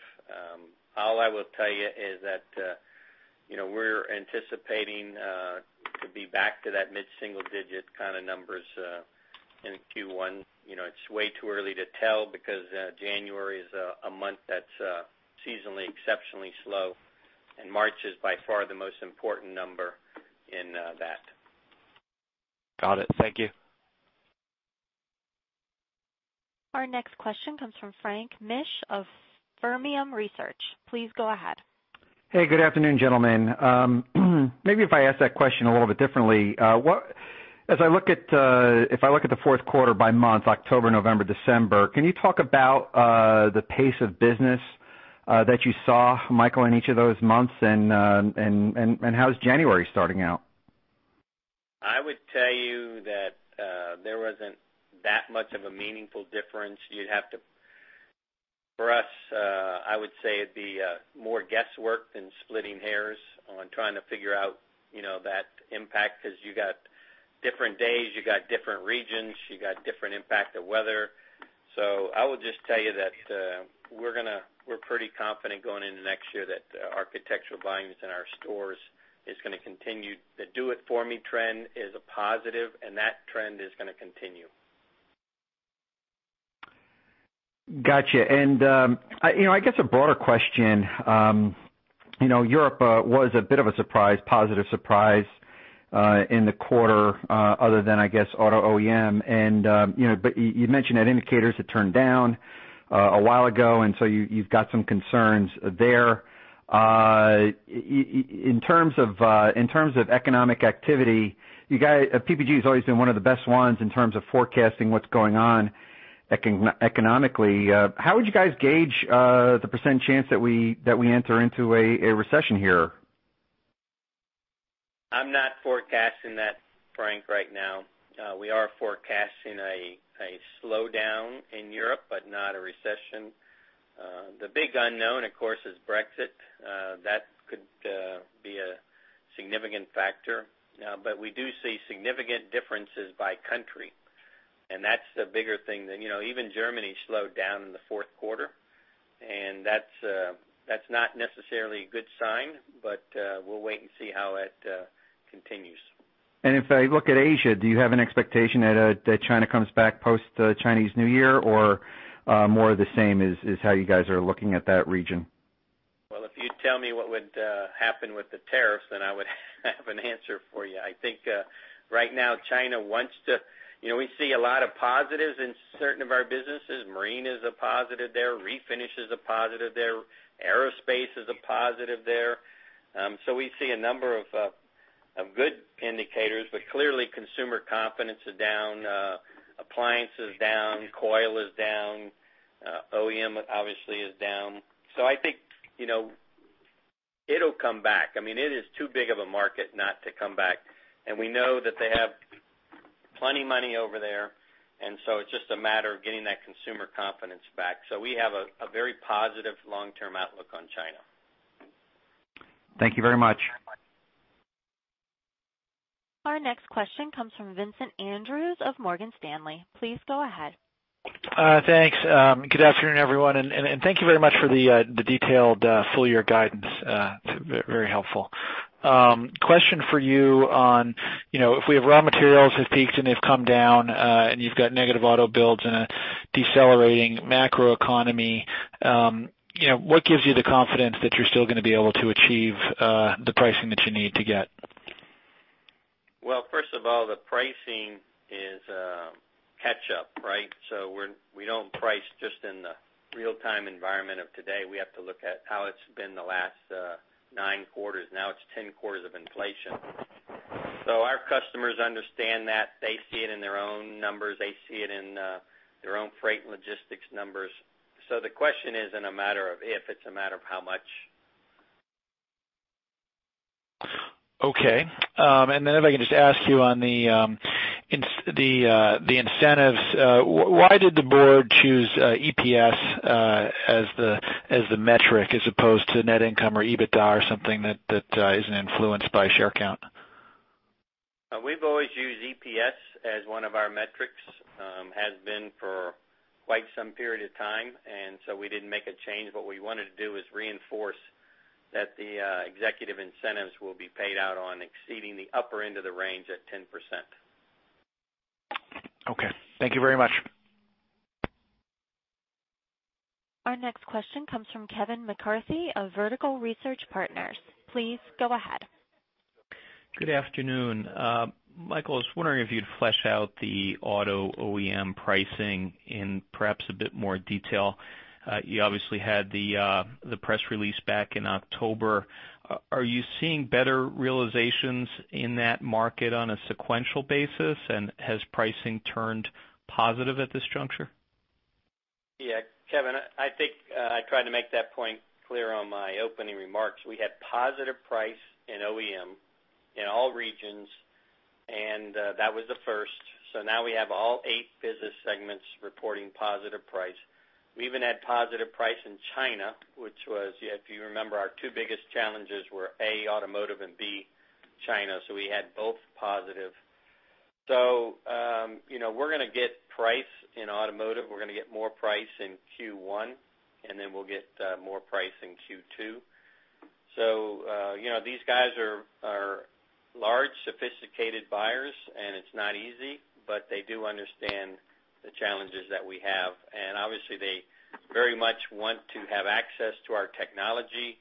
All I will tell you is that we're anticipating to be back to that mid-single digit kind of numbers in Q1. It's way too early to tell because January is a month that's seasonally exceptionally slow, and March is by far the most important number in that. Got it. Thank you. Our next question comes from Frank Mitsch of Fermium Research. Please go ahead. Hey, good afternoon, gentlemen. Maybe if I ask that question a little bit differently. If I look at the fourth quarter by month, October, November, December, can you talk about the pace of business that you saw, Michael, in each of those months, and how's January starting out? I would tell you that there wasn't that much of a meaningful difference. For us, I would say it'd be more guesswork than splitting hairs on trying to figure out that impact, because you got different days, you got different regions, you got different impact of weather. I would just tell you that we're pretty confident going into next year that architectural volumes in our stores is going to continue. The Do It For Me trend is a positive, and that trend is going to continue. Gotcha. I guess a broader question, Europe was a bit of a surprise, positive surprise, in the quarter, other than, I guess, auto OEM. You mentioned that indicators had turned down a while ago, and so you've got some concerns there. In terms of economic activity, PPG has always been one of the best ones in terms of forecasting what's going on economically. How would you guys gauge the % chance that we enter into a recession here? I'm not forecasting that, Frank, right now. We are forecasting a slowdown in Europe, but not a recession. The big unknown, of course, is Brexit. That could be a significant factor. We do see significant differences by country, and that's the bigger thing. Even Germany slowed down in the fourth quarter, and that's not necessarily a good sign. We'll wait and see how it continues. If I look at Asia, do you have an expectation that China comes back post-Chinese New Year, or more of the same is how you guys are looking at that region? Well, if you'd tell me what would happen with the tariffs, then I would have an answer for you. We see a lot of positives in certain of our businesses. Marine is a positive there. Refinish is a positive there. Aerospace is a positive there. We see a number of good indicators. Clearly, consumer confidence is down. Appliance is down. Coil is down. OEM obviously is down. I think it'll come back. It is too big of a market not to come back. We know that they have plenty money over there, and so it's just a matter of getting that consumer confidence back. We have a very positive long-term outlook on China. Thank you very much. Our next question comes from Vincent Andrews of Morgan Stanley. Please go ahead. Thanks. Good afternoon, everyone. Thank you very much for the detailed full-year guidance. Very helpful. Question for you on, if raw materials have peaked and they've come down, you've got negative auto builds and a decelerating macroeconomy, what gives you the confidence that you're still going to be able to achieve the pricing that you need to get? Well, first of all, the pricing is catch-up, right? We don't price just in the real-time environment of today. We have to look at how it's been the last nine quarters, now it's 10 quarters, of inflation. Our customers understand that. They see it in their own numbers. They see it in their own freight and logistics numbers. The question isn't a matter of if, it's a matter of how much. Okay. If I can just ask you on the incentives, why did the board choose EPS as the metric as opposed to net income or EBITDA or something that isn't influenced by share count? We've always used EPS as one of our metrics, has been for quite some period of time. We didn't make a change. What we wanted to do is reinforce that the executive incentives will be paid out on exceeding the upper end of the range at 10%. Okay. Thank you very much. Our next question comes from Kevin McCarthy of Vertical Research Partners. Please go ahead. Good afternoon. Michael, I was wondering if you'd flesh out the auto OEM pricing in perhaps a bit more detail. You obviously had the press release back in October. Are you seeing better realizations in that market on a sequential basis? Has pricing turned positive at this juncture? Yeah. Kevin, I think I tried to make that point clear on my opening remarks. We had positive price in OEM in all regions, and that was the first. Now we have all eight business segments reporting positive price. We even had positive price in China, which was, if you remember, our two biggest challenges were, A, automotive and B, China. We had both positive. We're going to get price in automotive. We're going to get more price in Q1, and then we'll get more price in Q2. These guys are large, sophisticated buyers, and it's not easy, but they do understand the challenges that we have. Obviously, they very much want to have access to our technology,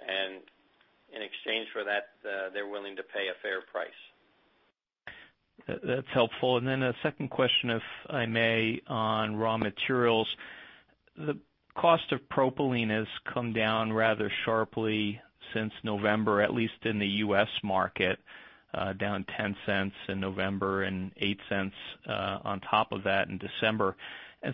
and in exchange for that, they're willing to pay a fair price. That's helpful. A second question, if I may, on raw materials. The cost of propylene has come down rather sharply since November, at least in the U.S. market, down $0.10 in November and $0.08 on top of that in December.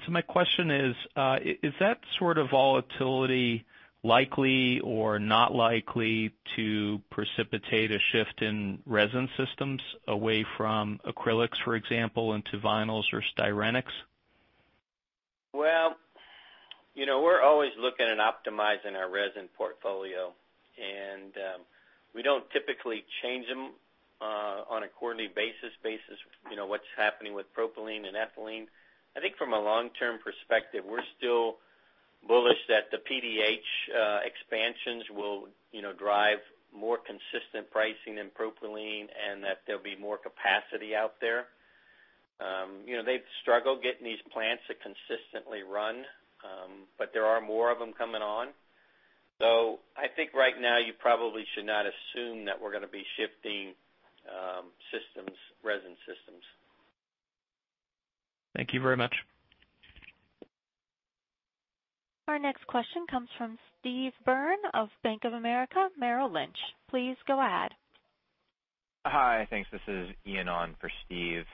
My question is that sort of volatility likely or not likely to precipitate a shift in resin systems away from acrylics, for example, into vinyls or styrenics? Well, we're always looking at optimizing our resin portfolio. We don't typically change them on a quarterly basis, based what's happening with propylene and ethylene. I think from a long-term perspective, we're still bullish that the PDH expansions will drive more consistent pricing in propylene, and that there'll be more capacity out there. They've struggled getting these plants to consistently run, but there are more of them coming on. I think right now, you probably should not assume that we're going to be shifting resin systems. Thank you very much. Our next question comes from Steve Byrne of Bank of America Merrill Lynch. Please go ahead. Hi. Thanks. This is Ian on for Steve.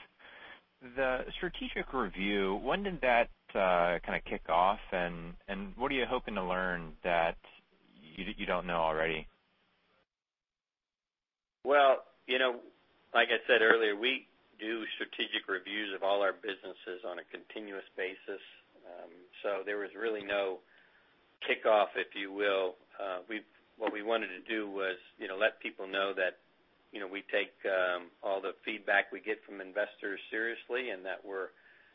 The strategic review, when did that kind of kick off, and what are you hoping to learn that you don't know already? Well, like I said earlier, we do strategic reviews of all our businesses on a continuous basis. There was really no kickoff, if you will. What we wanted to do was let people know that we take all the feedback we get from investors seriously, and that we're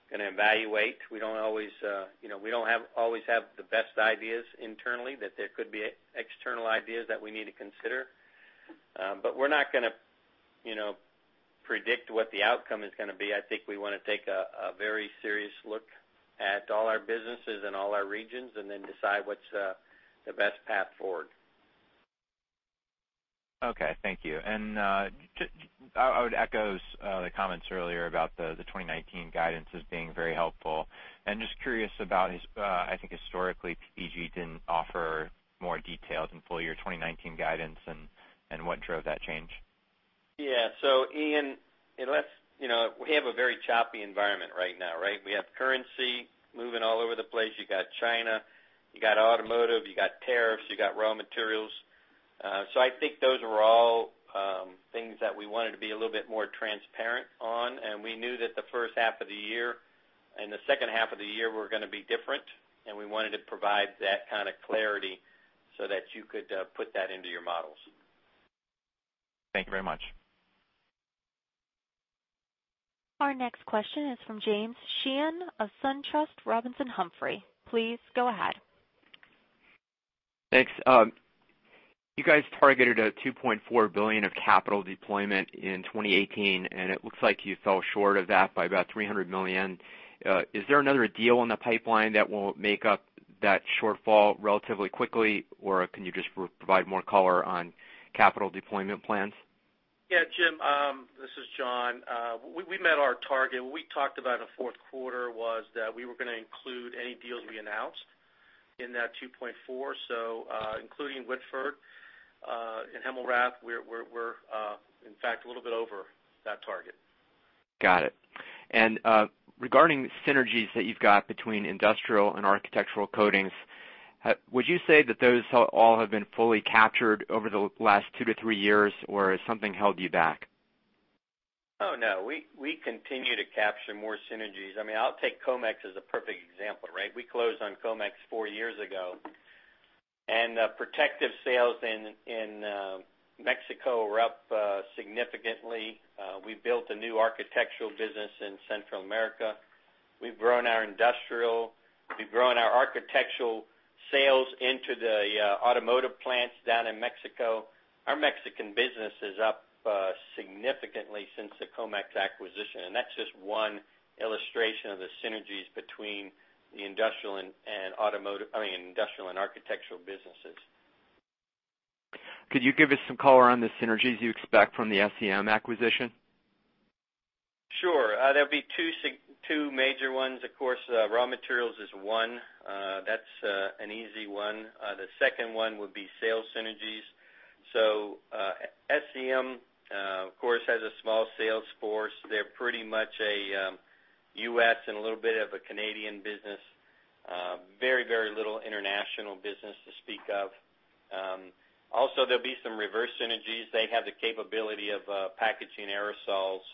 going to evaluate. We don't always have the best ideas internally, that there could be external ideas that we need to consider. We're not going to predict what the outcome is going to be. I think we want to take a very serious look at all our businesses and all our regions, decide what's the best path forward. Okay. Thank you. I would echo the comments earlier about the 2019 guidances being very helpful. Just curious about is, I think historically, PPG didn't offer more details in full year 2019 guidance and what drove that change. Yeah. Ian, we have a very choppy environment right now, right? We have currency moving all over the place. You got China, you got automotive, you got tariffs, you got raw materials. I think those are all things that we wanted to be a little bit more transparent on, and we knew that the first half of the year and the second half of the year were going to be different, and we wanted to provide that kind of clarity so that you could put that into your models. Thank you very much. Our next question is from James Sheehan of SunTrust Robinson Humphrey. Please go ahead. Thanks. You guys targeted a $2.4 billion of capital deployment in 2018. It looks like you fell short of that by about $300 million. Is there another deal in the pipeline that will make up that shortfall relatively quickly, can you just provide more color on capital deployment plans? Yeah, Jim, this is John. We met our target. What we talked about in the fourth quarter was that we were going to include any deals we announced in that $2.4. Including Whitford and Hemmelrath, we're in fact a little bit over that target. Got it. Regarding synergies that you've got between Industrial and Architectural Coatings, would you say that those all have been fully captured over the last two to three years, or has something held you back? Oh, no. We continue to capture more synergies. I'll take Comex as a perfect example, right? We closed on Comex four years ago. Protective sales in Mexico were up significantly. We built a new architectural business in Central America. We've grown our industrial, we've grown our architectural sales into the automotive plants down in Mexico. Our Mexican business is up significantly since the Comex acquisition, that's just one illustration of the synergies between the industrial and architectural businesses. Could you give us some color on the synergies you expect from the SEM acquisition? Sure. There'll be two major ones. Of course, raw materials is one. That's an easy one. The second one would be sales synergies. SEM, of course, has a small sales force. They're pretty much a U.S. and a little bit of a Canadian business. Very, very little international business to speak of. Also, there'll be some reverse synergies. They have the capability of packaging aerosols,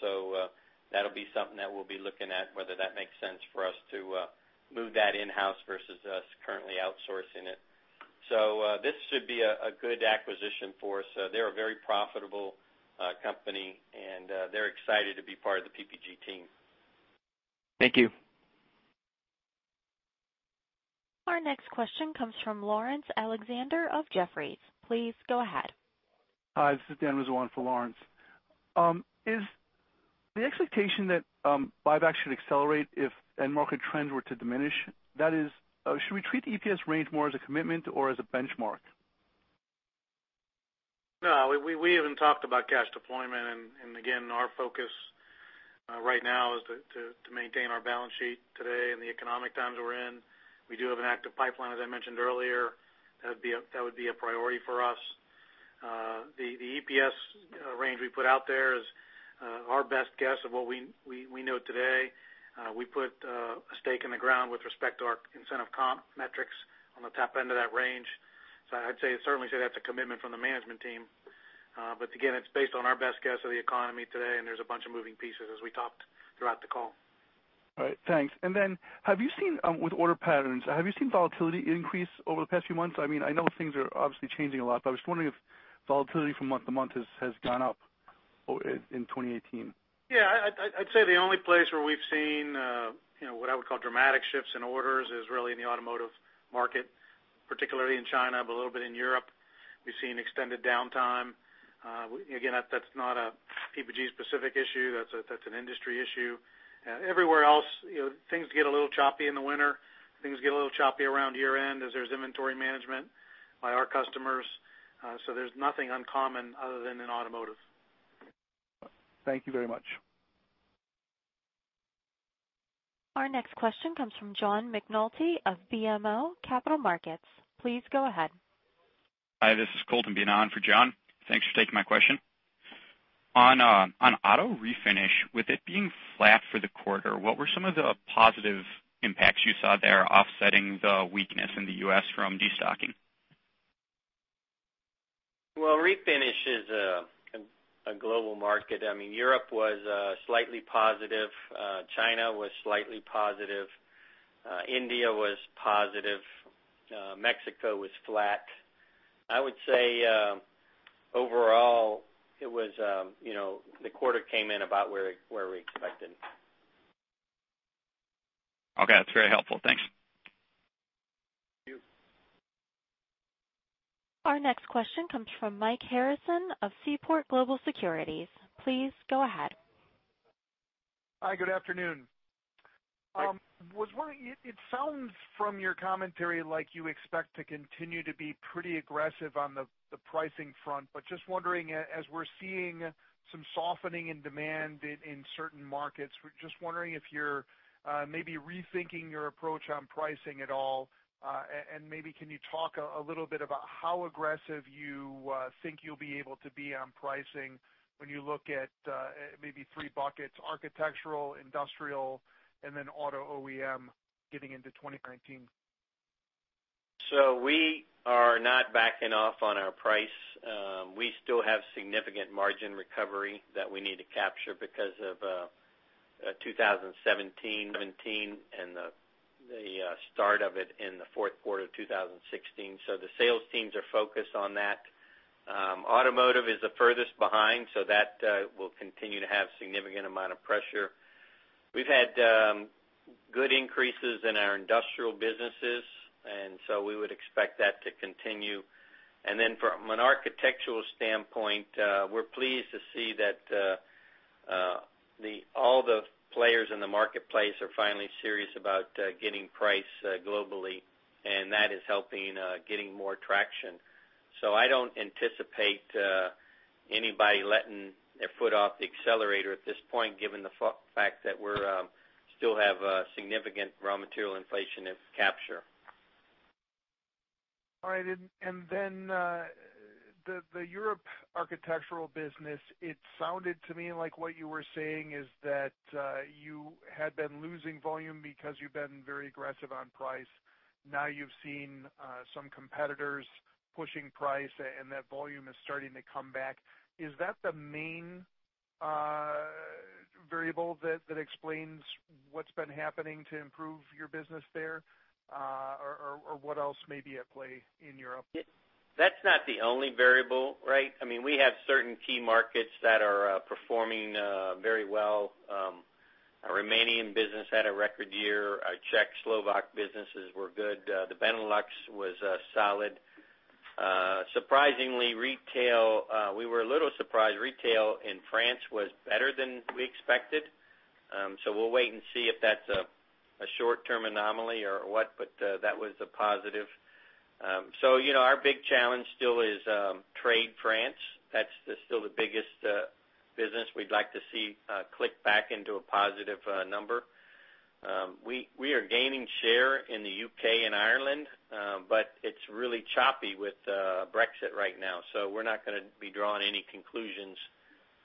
that'll be something that we'll be looking at, whether that makes sense for us to move that in-house versus us currently outsourcing it. This should be a good acquisition for us. They're a very profitable company, and they're excited to be part of the PPG team. Thank you. Our next question comes from Laurence Alexander of Jefferies. Please go ahead. Hi, this is Dan Rizzo for Laurence. Is the expectation that buyback should accelerate if end market trends were to diminish? That is, should we treat the EPS range more as a commitment or as a benchmark? No. We haven't talked about cash deployment. Again, our focus right now is to maintain our balance sheet today in the economic times we're in. We do have an active pipeline, as I mentioned earlier. That would be a priority for us. The EPS range we put out there is our best guess of what we know today. We put a stake in the ground with respect to our incentive comp metrics on the top end of that range. I'd certainly say that's a commitment from the management team. Again, it's based on our best guess of the economy today. There's a bunch of moving pieces as we talked throughout the call. Then, with order patterns, have you seen volatility increase over the past few months? I know things are obviously changing a lot, but I was wondering if volatility from month to month has gone up in 2018. Yeah. I'd say the only place where we've seen what I would call dramatic shifts in orders is really in the automotive market, particularly in China, but a little bit in Europe. We've seen extended downtime. Again, that's not a PPG specific issue, that's an industry issue. Everywhere else, things get a little choppy in the winter, things get a little choppy around year-end as there's inventory management by our customers. There's nothing uncommon other than in automotive. Thank you very much. Our next question comes from John McNulty of BMO Capital Markets. Please go ahead. Hi, this is Colton Bina on for John. Thanks for taking my question. On auto refinish, with it being flat for the quarter, what were some of the positive impacts you saw there offsetting the weakness in the U.S. from destocking? Well, refinish is a global market. Europe was slightly positive. China was slightly positive. India was positive. Mexico was flat. I would say, overall, the quarter came in about where we expected. Okay, that's very helpful. Thanks. Thank you. Our next question comes from Mike Harrison of Seaport Global Securities. Please go ahead. Hi, good afternoon. It sounds from your commentary like you expect to continue to be pretty aggressive on the pricing front. Just wondering, as we're seeing some softening in demand in certain markets, just wondering if you're maybe rethinking your approach on pricing at all. Maybe can you talk a little bit about how aggressive you think you'll be able to be on pricing when you look at maybe three buckets, architectural, industrial, and then auto OEM getting into 2019? We are not backing off on our price. We still have significant margin recovery that we need to capture because of 2017 and the start of it in the fourth quarter of 2016. The sales teams are focused on that. Automotive is the furthest behind, that will continue to have significant amount of pressure. We've had good increases in our industrial businesses, we would expect that to continue. From an architectural standpoint, we're pleased to see that all the players in the marketplace are finally serious about getting price globally, that is helping getting more traction. I don't anticipate anybody letting their foot off the accelerator at this point, given the fact that we still have significant raw material inflation to capture. All right. The Europe architectural business, it sounded to me like what you were saying is that you had been losing volume because you've been very aggressive on price. Now you've seen some competitors pushing price, that volume is starting to come back. Is that the main variable that explains what's been happening to improve your business there? What else may be at play in Europe? That's not the only variable, right? We have certain key markets that are performing very well. Our Romanian business had a record year. Our Czech, Slovak businesses were good. The Benelux was solid. Surprisingly, we were a little surprised, retail in France was better than we expected. We'll wait and see if that's a short-term anomaly or what, but that was a positive. Our big challenge still is trade France. That's still the biggest business we'd like to see click back into a positive number. We are gaining share in the U.K. and Ireland, but it's really choppy with Brexit right now. We're not gonna be drawing any conclusions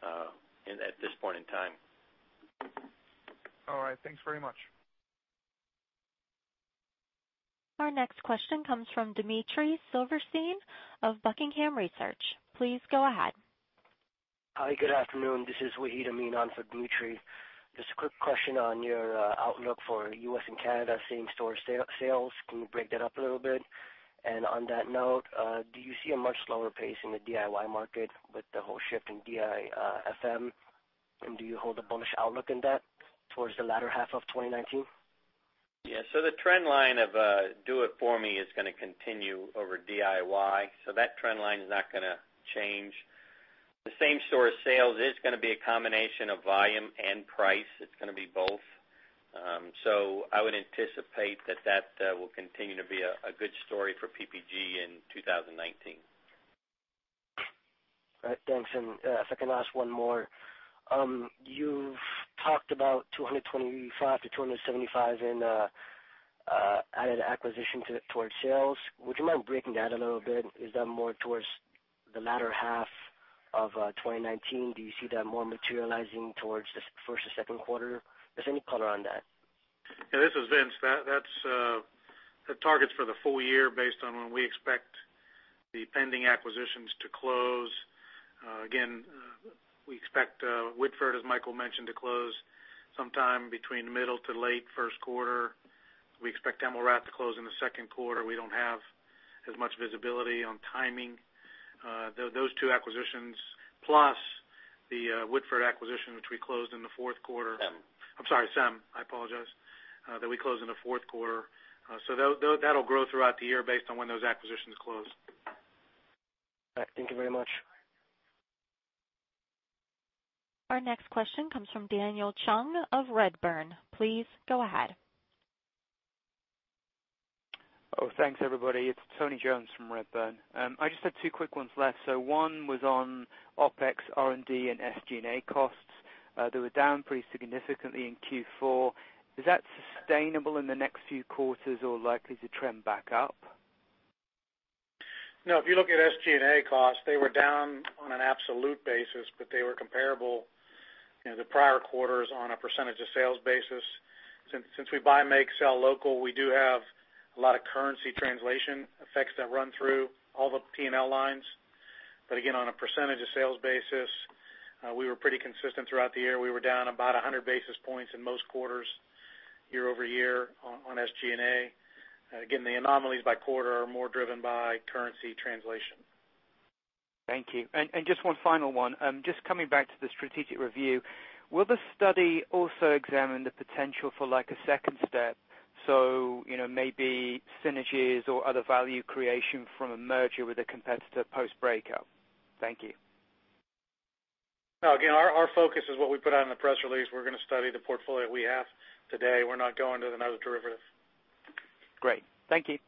at this point in time. All right. Thanks very much. Our next question comes from Dmitry Silverstein of Buckingham Research. Please go ahead. Hi, good afternoon. This is Wahid Amin on for Dmitry. Just a quick question on your outlook for U.S. and Canada same-store sales. Can you break that up a little bit? On that note, do you see a much slower pace in the DIY market with the whole shift in DIFM, and do you hold a bullish outlook in that towards the latter half of 2019? Yeah. The trend line of Do It For Me is gonna continue over DIY. That trend line is not gonna change. The same-store sales is gonna be a combination of volume and price. It's gonna be both. I would anticipate that that will continue to be a good story for PPG in 2019. All right, thanks. If I can ask one more. You've talked about $225 to $275 in added acquisition towards sales. Would you mind breaking that a little bit? Is that more towards the latter half of 2019? Do you see that more materializing towards the first or second quarter? If there's any color on that. Yeah, this is Vince. That's the targets for the full year based on when we expect the pending acquisitions to close. Again, we expect Whitford, as Michael mentioned, to close sometime between the middle to late first quarter. Camelot to close in the second quarter. We don't have as much visibility on timing. Those two acquisitions, plus the Woodford acquisition, which we closed in the fourth quarter. SEM. I'm sorry, SEM. I apologize. That we closed in the fourth quarter. That'll grow throughout the year based on when those acquisitions close. All right. Thank you very much. Our next question comes from Tony Jones of Redburn. Please go ahead. Thanks, everybody. It's Tony Jones from Redburn. I just have two quick ones left. One was on OpEx, R&D, and SG&A costs. They were down pretty significantly in Q4. Is that sustainable in the next few quarters or likely to trend back up? If you look at SG&A costs, they were down on an absolute basis, they were comparable in the prior quarters on a percentage of sales basis. Since we buy, make, sell local, we do have a lot of currency translation effects that run through all the P&L lines. Again, on a percentage of sales basis, we were pretty consistent throughout the year. We were down about 100 basis points in most quarters year-over-year on SG&A. Again, the anomalies by quarter are more driven by currency translation. Thank you. Just one final one. Just coming back to the strategic review. Will the study also examine the potential for a second step, so maybe synergies or other value creation from a merger with a competitor post-breakup? Thank you. No, again, our focus is what we put out in the press release. We're gonna study the portfolio we have today. We're not going to another derivative. Great. Thank you.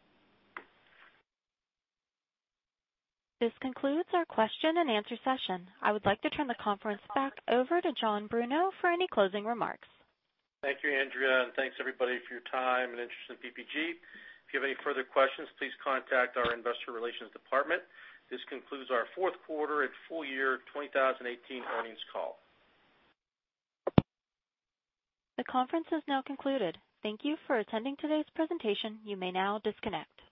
This concludes our question and answer session. I would like to turn the conference back over to John Bruno for any closing remarks. Thank you, Andrea, and thanks, everybody, for your time and interest in PPG. If you have any further questions, please contact our investor relations department. This concludes our fourth quarter and full year 2018 earnings call. The conference has now concluded. Thank you for attending today's presentation. You may now disconnect.